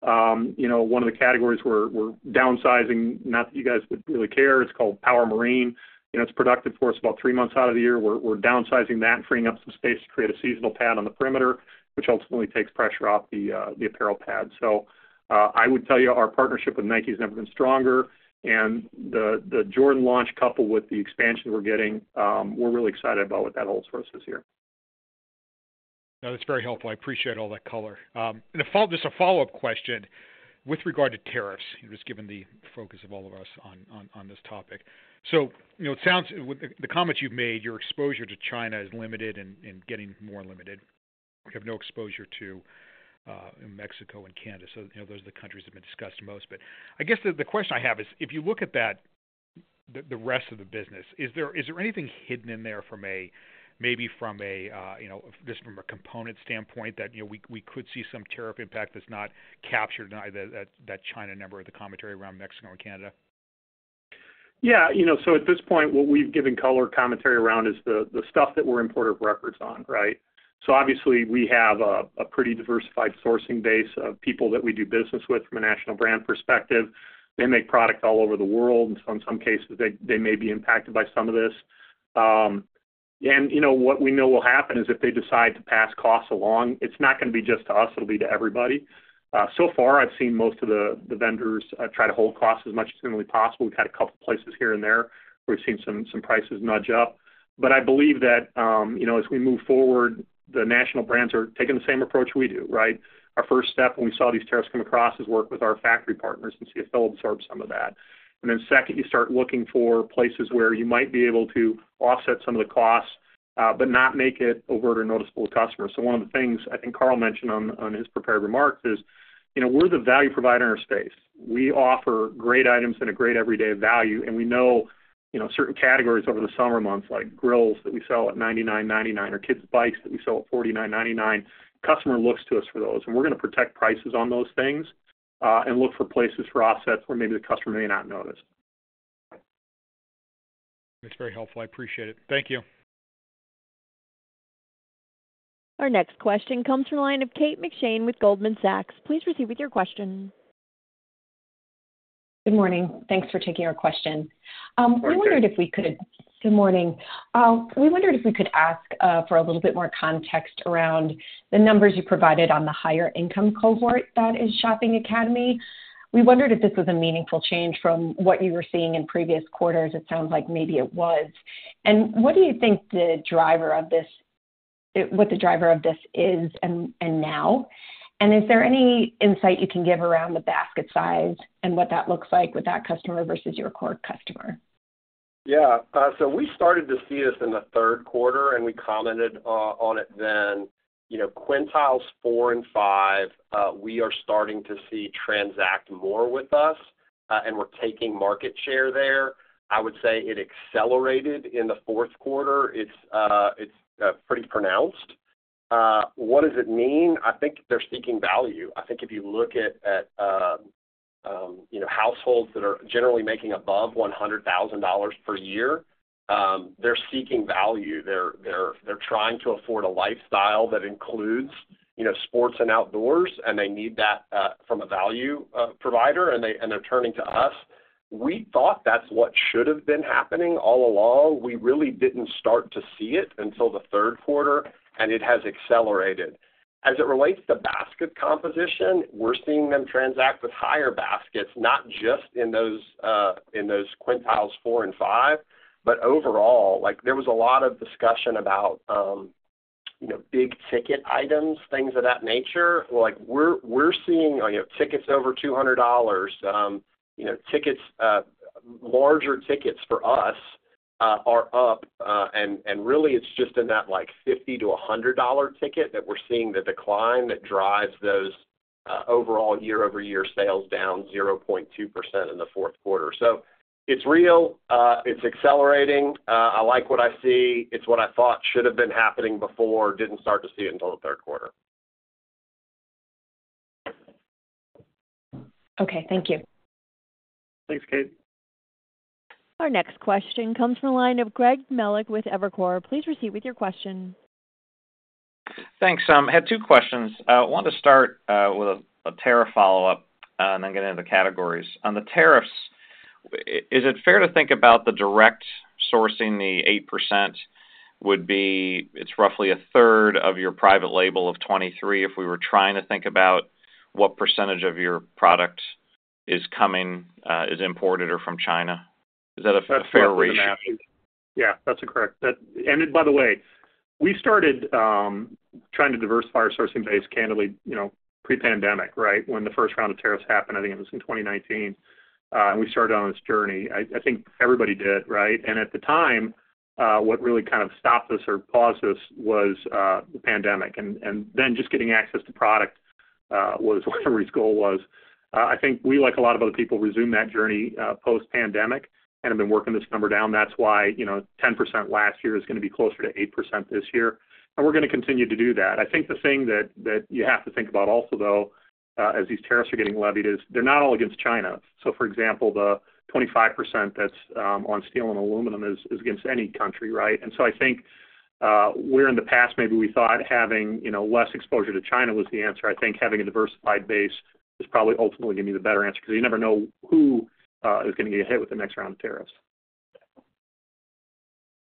One of the categories we are downsizing, not that you guys would really care, is called Power & Marine. It is productive for us about three months out of the year. We are downsizing that and freeing up some space to create a seasonal pad on the perimeter, which ultimately takes pressure off the apparel pad. I would tell you our partnership with Nike has never been stronger. The Jordan launch coupled with the expansion we're getting, we're really excited about what that holds for us this year. No, that's very helpful. I appreciate all that color. Just a follow-up question with regard to tariffs, just given the focus of all of us on this topic. It sounds the comments you've made, your exposure to China is limited and getting more limited. You have no exposure to Mexico and Canada. Those are the countries that have been discussed most. I guess the question I have is, if you look at the rest of the business, is there anything hidden in there maybe just from a component standpoint that we could see some tariff impact that's not captured in that China number or the commentary around Mexico and Canada? Yeah. At this point, what we've given color commentary around is the stuff that we're importer of records on, right? Obviously, we have a pretty diversified sourcing base of people that we do business with from a national brand perspective. They make product all over the world. In some cases, they may be impacted by some of this. What we know will happen is if they decide to pass costs along, it's not going to be just to us. It'll be to everybody. So far, I've seen most of the vendors try to hold costs as much as humanly possible. We've had a couple of places here and there where we've seen some prices nudge up. I believe that as we move forward, the national brands are taking the same approach we do, right? Our first step, when we saw these tariffs come across, is work with our factory partners and see if they'll absorb some of that. Then second, you start looking for places where you might be able to offset some of the costs but not make it overt or noticeable to customers. One of the things I think Carl mentioned on his prepared remarks is we're the value provider in our space. We offer great items and a great everyday value. We know certain categories over the summer months, like grills that we sell at $99.99 or kids' bikes that we sell at $49.99, customers look to us for those. We're going to protect prices on those things and look for places for offsets where maybe the customer may not notice. That's very helpful. I appreciate it. Thank you. Our next question comes from the line of Kate McShane with Goldman Sachs. Please proceed with your question. Good morning. Thanks for taking our question. We wondered if we could. Good morning. We wondered if we could ask for a little bit more context around the numbers you provided on the higher-income cohort that is shopping Academy. We wondered if this was a meaningful change from what you were seeing in previous quarters. It sounds like maybe it was. What do you think the driver of this, what the driver of this is now? Is there any insight you can give around the basket size and what that looks like with that customer versus your core customer? Yeah. We started to see this in the third quarter, and we commented on it then. Quintiles four and five, we are starting to see transact more with us, and we're taking market share there. I would say it accelerated in the Q4. It's pretty pronounced. What does it mean? I think they're seeking value. I think if you look at households that are generally making above $100,000 per year, they're seeking value. They're trying to afford a lifestyle that includes sports and outdoors, and they need that from a value provider, and they're turning to us. We thought that's what should have been happening all along. We really didn't start to see it until the third quarter, and it has accelerated. As it relates to basket composition, we're seeing them transact with higher baskets, not just in those quintiles four and five, but overall. There was a lot of discussion about big ticket items, things of that nature. We're seeing tickets over $200. Larger tickets for us are up. Really, it's just in that $50 to $100 ticket that we're seeing the decline that drives those overall year-over-year sales down 0.2% in the Q4. It's real. It's accelerating. I like what I see. It's what I thought should have been happening before. Didn't start to see it until the third quarter. Okay. Thank you. Thanks, Kate. Our next question comes from the line of Greg Melich with Evercore. Please proceed with your question. Thanks. I had two questions. I want to start with a tariff follow-up, and then get into the categories. On the tariffs, is it fair to think about the direct sourcing, the 8%, would be it's roughly a third of your private label of 2023 if we were trying to think about what percentage of your product is imported or from China? Is that a fair ratio? Yeah. That's correct. By the way, we started trying to diversify our sourcing base candidly pre-pandemic, right, when the first round of tariffs happened. I think it was in 2019. We started on this journey. I think everybody did, right? At the time, what really kind of stopped us or paused us was the pandemic. Just getting access to product was what everybody's goal was. I think we, like a lot of other people, resumed that journey post-pandemic and have been working this number down. That's why 10% last year is going to be closer to 8% this year. We're going to continue to do that. I think the thing that you have to think about also, though, as these tariffs are getting levied, is they're not all against China. For example, the 25% that's on steel and aluminum is against any country, right? I think where in the past, maybe we thought having less exposure to China was the answer. I think having a diversified base is probably ultimately going to be the better answer because you never know who is going to get hit with the next round of tariffs.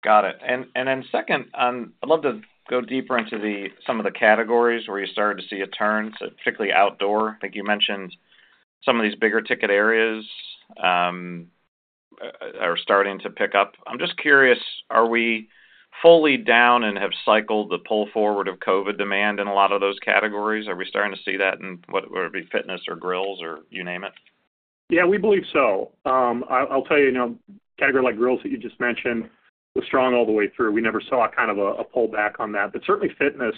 Got it. I would love to go deeper into some of the categories where you started to see a turn, particularly outdoor. I think you mentioned some of these bigger ticket areas are starting to pick up. I am just curious, are we fully down and have cycled the pull forward of COVID demand in a lot of those categories? Are we starting to see that in what would be fitness or grills or you name it? Yeah, we believe so. I will tell you, categories like grills that you just mentioned were strong all the way through. We never saw kind of a pullback on that. Certainly, fitness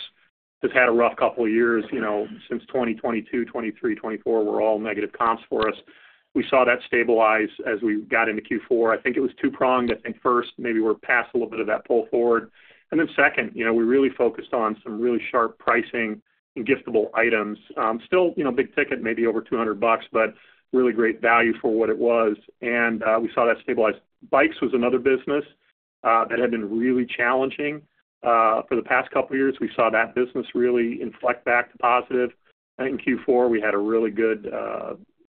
has had a rough couple of years since 2022, 2023, 2024 were all negative comps for us. We saw that stabilize as we got into Q4. I think it was two-pronged. I think first, maybe we are past a little bit of that pull forward. Second, we really focused on some really sharp pricing and giftable items. Still big ticket, maybe over $200, but really great value for what it was. We saw that stabilize. Bikes was another business that had been really challenging for the past couple of years. We saw that business really inflect back to positive. I think in Q4, we had a really good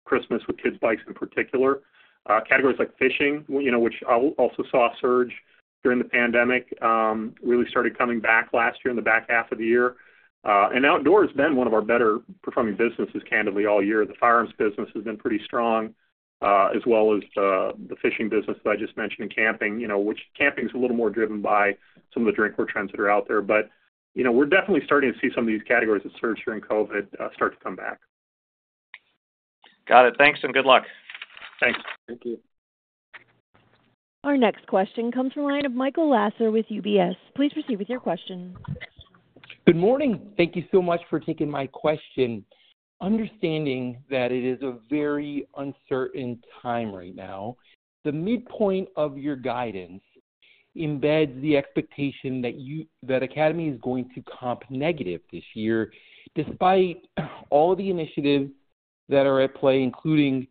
Christmas with kids' bikes in particular. Categories like fishing, which also saw a surge during the pandemic, really started coming back last year in the back half of the year. Outdoors has been one of our better-performing businesses, candidly, all year. The firearms business has been pretty strong, as well as the fishing business that I just mentioned, and camping, which is a little more driven by some of the drinkware trends that are out there. We are definitely starting to see some of these categories that surged during COVID start to come back. Got it. Thanks and good luck. Thanks. Thank you. Our next question comes from the line of Michael Lasser with UBS. Please proceed with your question. Good morning. Thank you so much for taking my question. Understanding that it is a very uncertain time right now, the midpoint of your guidance embeds the expectation that Academy is going to comp negative this year, despite all of the initiatives that are at play, including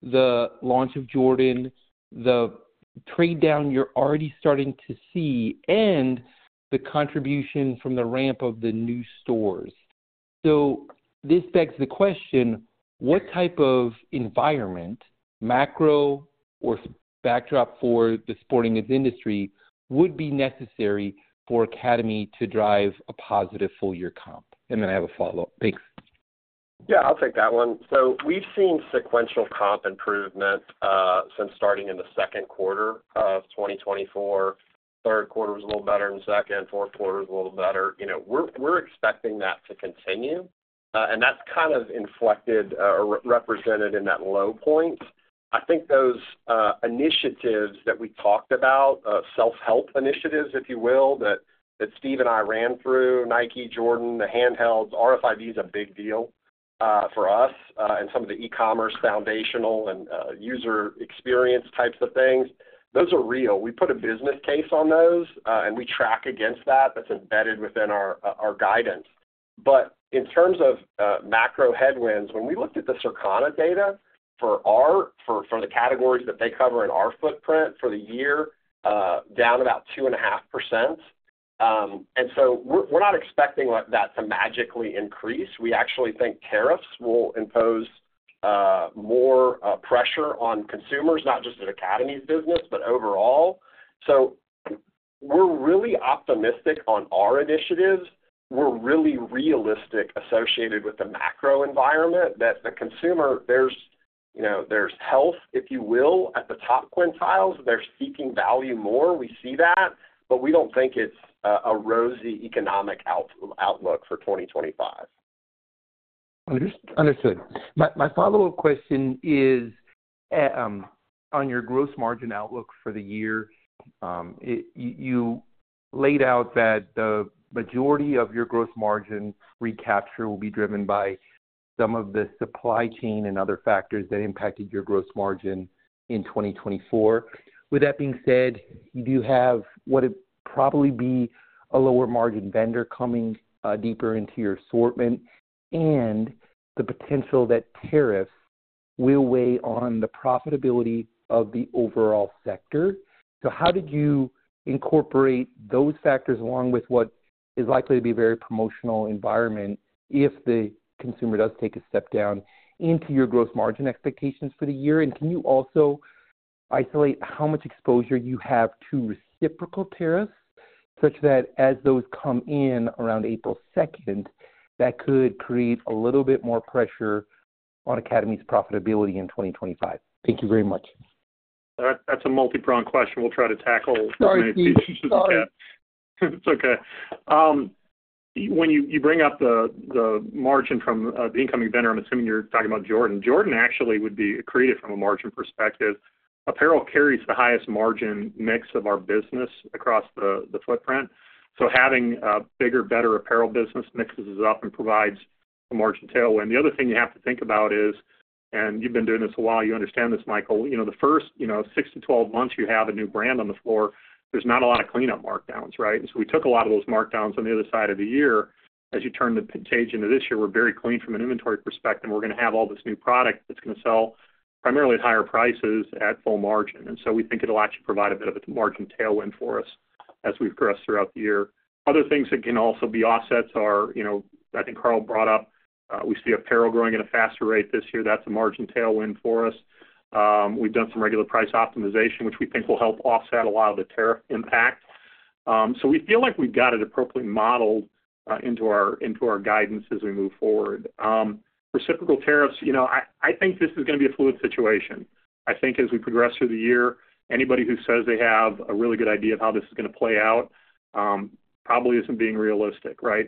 the launch of Jordan, the trade down you're already starting to see, and the contribution from the ramp of the new stores. This begs the question, what type of environment, macro or backdrop for the sporting goods industry, would be necessary for Academy to drive a positive full-year comp? I have a follow-up. Thanks. Yeah, I'll take that one. We've seen sequential comp improvement since starting in the Q2 of 2024. Third quarter was a little better in second. Q4 was a little better. We're expecting that to continue. That is kind of inflected or represented in that low point. I think those initiatives that we talked about, self-help initiatives, if you will, that Steve and I ran through, Nike, Jordan, the handhelds, RFID is a big deal for us, and some of the e-commerce foundational and user experience types of things. Those are real. We put a business case on those, and we track against that. That's embedded within our guidance. In terms of macro headwinds, when we looked at the Circana data for the categories that they cover in our footprint for the year, down about 2.5%. We are not expecting that to magically increase. We actually think tariffs will impose more pressure on consumers, not just at Academy's business, but overall. We are really optimistic on our initiatives. We are really realistic associated with the macro environment that the consumer, there's health, if you will, at the top quintiles. They're seeking value more. We see that. We do not think it is a rosy economic outlook for 2025. Understood. My follow-up question is, on your gross margin outlook for the year, you laid out that the majority of your gross margin recapture will be driven by some of the supply chain and other factors that impacted your gross margin in 2024. With that being said, you do have what would probably be a lower margin vendor coming deeper into your assortment and the potential that tariffs will weigh on the profitability of the overall sector. How did you incorporate those factors along with what is likely to be a very promotional environment if the consumer does take a step down into your gross margin expectations for the year? Can you also isolate how much exposure you have to reciprocal tariffs such that as those come in around April 2, that could create a little bit more pressure on Academy's profitability in 2025? Thank you very much. That's a multi-pronged question. We'll try to tackle as many pieces as we can. It's okay. When you bring up the margin from the incoming vendor, I'm assuming you're talking about Jordan. Jordan actually would be accretive from a margin perspective. Apparel carries the highest margin mix of our business across the footprint. Having a bigger, better apparel business mixes us up and provides a margin tailwind. The other thing you have to think about is, and you've been doing this a while, you understand this, Michael, the first 6 to 12 months you have a new brand on the floor, there's not a lot of cleanup markdowns, right? We took a lot of those markdowns on the other side of the year. As you turn the page into this year, we're very clean from an inventory perspective. We're going to have all this new product that's going to sell primarily at higher prices at full margin. We think it'll actually provide a bit of a margin tailwind for us as we've progressed throughout the year. Other things that can also be offsets are, I think Carl brought up, we see apparel growing at a faster rate this year. That's a margin tailwind for us. We've done some regular price optimization, which we think will help offset a lot of the tariff impact. We feel like we've got it appropriately modeled into our guidance as we move forward. Reciprocal tariffs, I think this is going to be a fluid situation. I think as we progress through the year, anybody who says they have a really good idea of how this is going to play out probably isn't being realistic, right?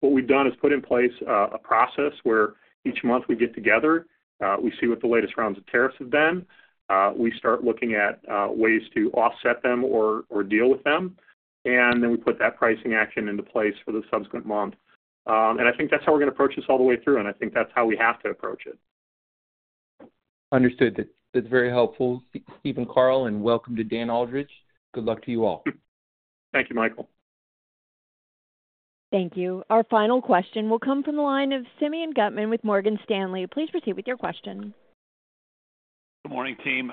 What we've done is put in place a process where each month we get together, we see what the latest rounds of tariffs have been. We start looking at ways to offset them or deal with them. We put that pricing action into place for the subsequent month. I think that's how we're going to approach this all the way through. I think that's how we have to approach it. Understood. That's very helpful. Steve and, Carl, and welcome to Dan Aldridge. Good luck to you all. Thank you, Michael. Thank you. Our final question will come from the line of Simeon Gutman with Morgan Stanley. Please proceed with your question. Good morning, team.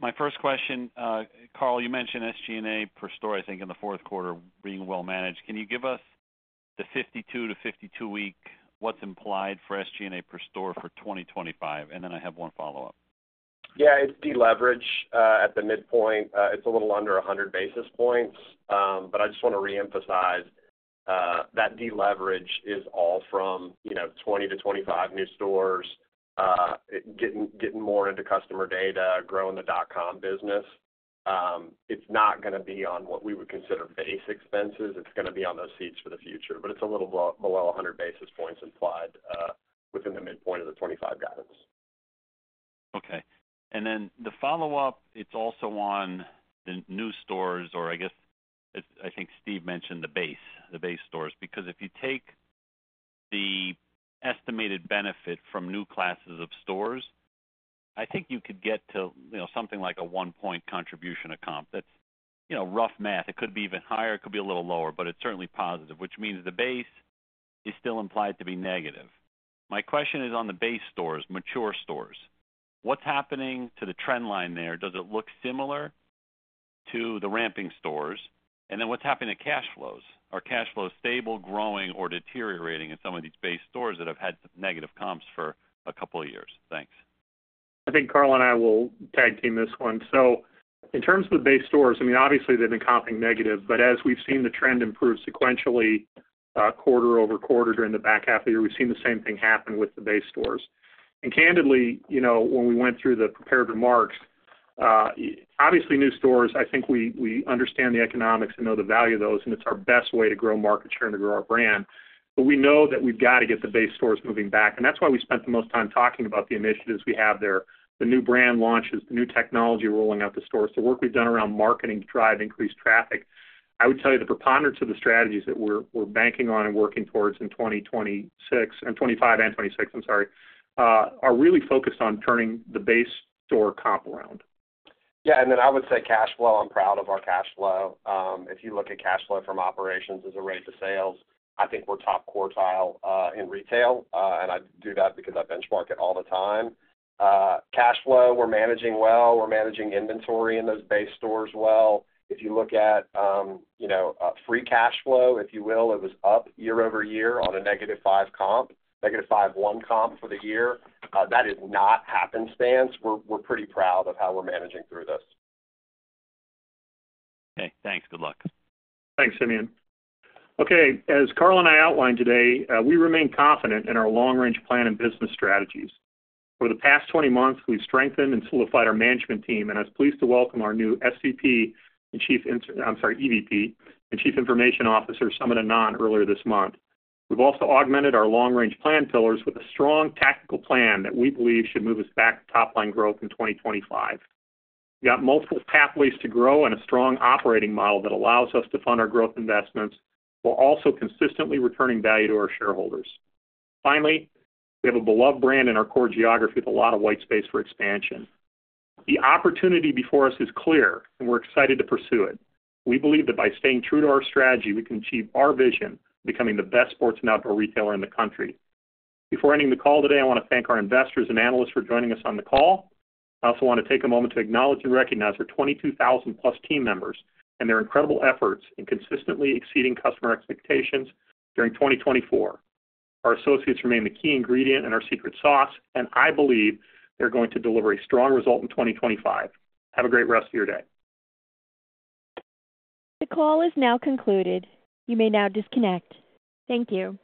My first question, Carl, you mentioned SG&A per store, I think, in the Q4 being well managed. Can you give us the 52 to 52-week what's implied for SG&A per store for 2025? I have one follow-up. Yeah, it's deleveraged at the midpoint. It's a little under 100 basis points. I just want to reemphasize that deleverage is all from 20 to 25 new stores, getting more into customer data, growing the dot-com business. It's not going to be on what we would consider base expenses. It's going to be on those seats for the future. It's a little below 100 basis points implied within the midpoint of the 2025 guidance. Okay. The follow-up, it's also on the new stores or I guess I think Steve mentioned the base stores. Because if you take the estimated benefit from new classes of stores, I think you could get to something like a one-point contribution of comp. That's rough math. It could be even higher. It could be a little lower, but it's certainly positive, which means the base is still implied to be negative. My question is on the base stores, mature stores. What's happening to the trend line there? Does it look similar to the ramping stores? What's happening to cash flows? Are cash flows stable, growing, or deteriorating in some of these base stores that have had negative comps for a couple of years? Thanks. I think Carl and I will tag team this one. In terms of the base stores, I mean, obviously, they've been comping negative. As we've seen the trend improve sequentially quarter over quarter during the back half of the year, we've seen the same thing happen with the base stores. Candidly, when we went through the prepared remarks, obviously, new stores, I think we understand the economics and know the value of those. It's our best way to grow market share and to grow our brand. We know that we've got to get the base stores moving back. That's why we spent the most time talking about the initiatives we have there, the new brand launches, the new technology rolling out to stores, the work we've done around marketing to drive increased traffic. I would tell you the preponderance of the strategies that we're banking on and working towards in 2025 and 2026, I'm sorry, are really focused on turning the base store comp around. Yeah. I would say cash flow, I'm proud of our cash flow. If you look at cash flow from operations as a rate to sales, I think we're top quartile in retail. I do that because I benchmark it all the time. Cash flow, we're managing well. We're managing inventory in those base stores well. If you look at free cash flow, if you will, it was up year over year on a negative 5% comp, negative 5.1% comp for the year. That is not happenstance. We're pretty proud of how we're managing through this. Okay. Thanks. Good luck. Thanks, Simeon. Okay. As Carl and I outlined today, we remain confident in our long-range plan and business strategies. Over the past 20 months, we've strengthened and solidified our management team. I was pleased to welcome our new EVP and Chief Information Officer, Sumit Anand, earlier this month. We have also augmented our long-range plan pillars with a strong tactical plan that we believe should move us back to top-line growth in 2025. We have got multiple pathways to grow and a strong operating model that allows us to fund our growth investments while also consistently returning value to our shareholders. Finally, we have a beloved brand in our core geography with a lot of white space for expansion. The opportunity before us is clear, and we are excited to pursue it. We believe that by staying true to our strategy, we can achieve our vision of becoming the best sports and outdoor retailer in the country. Before ending the call today, I want to thank our investors and analysts for joining us on the call. I also want to take a moment to acknowledge and recognize our 22,000-plus team members and their incredible efforts in consistently exceeding customer expectations during 2024. Our associates remain the key ingredient and our secret sauce. I believe they're going to deliver a strong result in 2025. Have a great rest of your day. The call is now concluded. You may now disconnect. Thank you.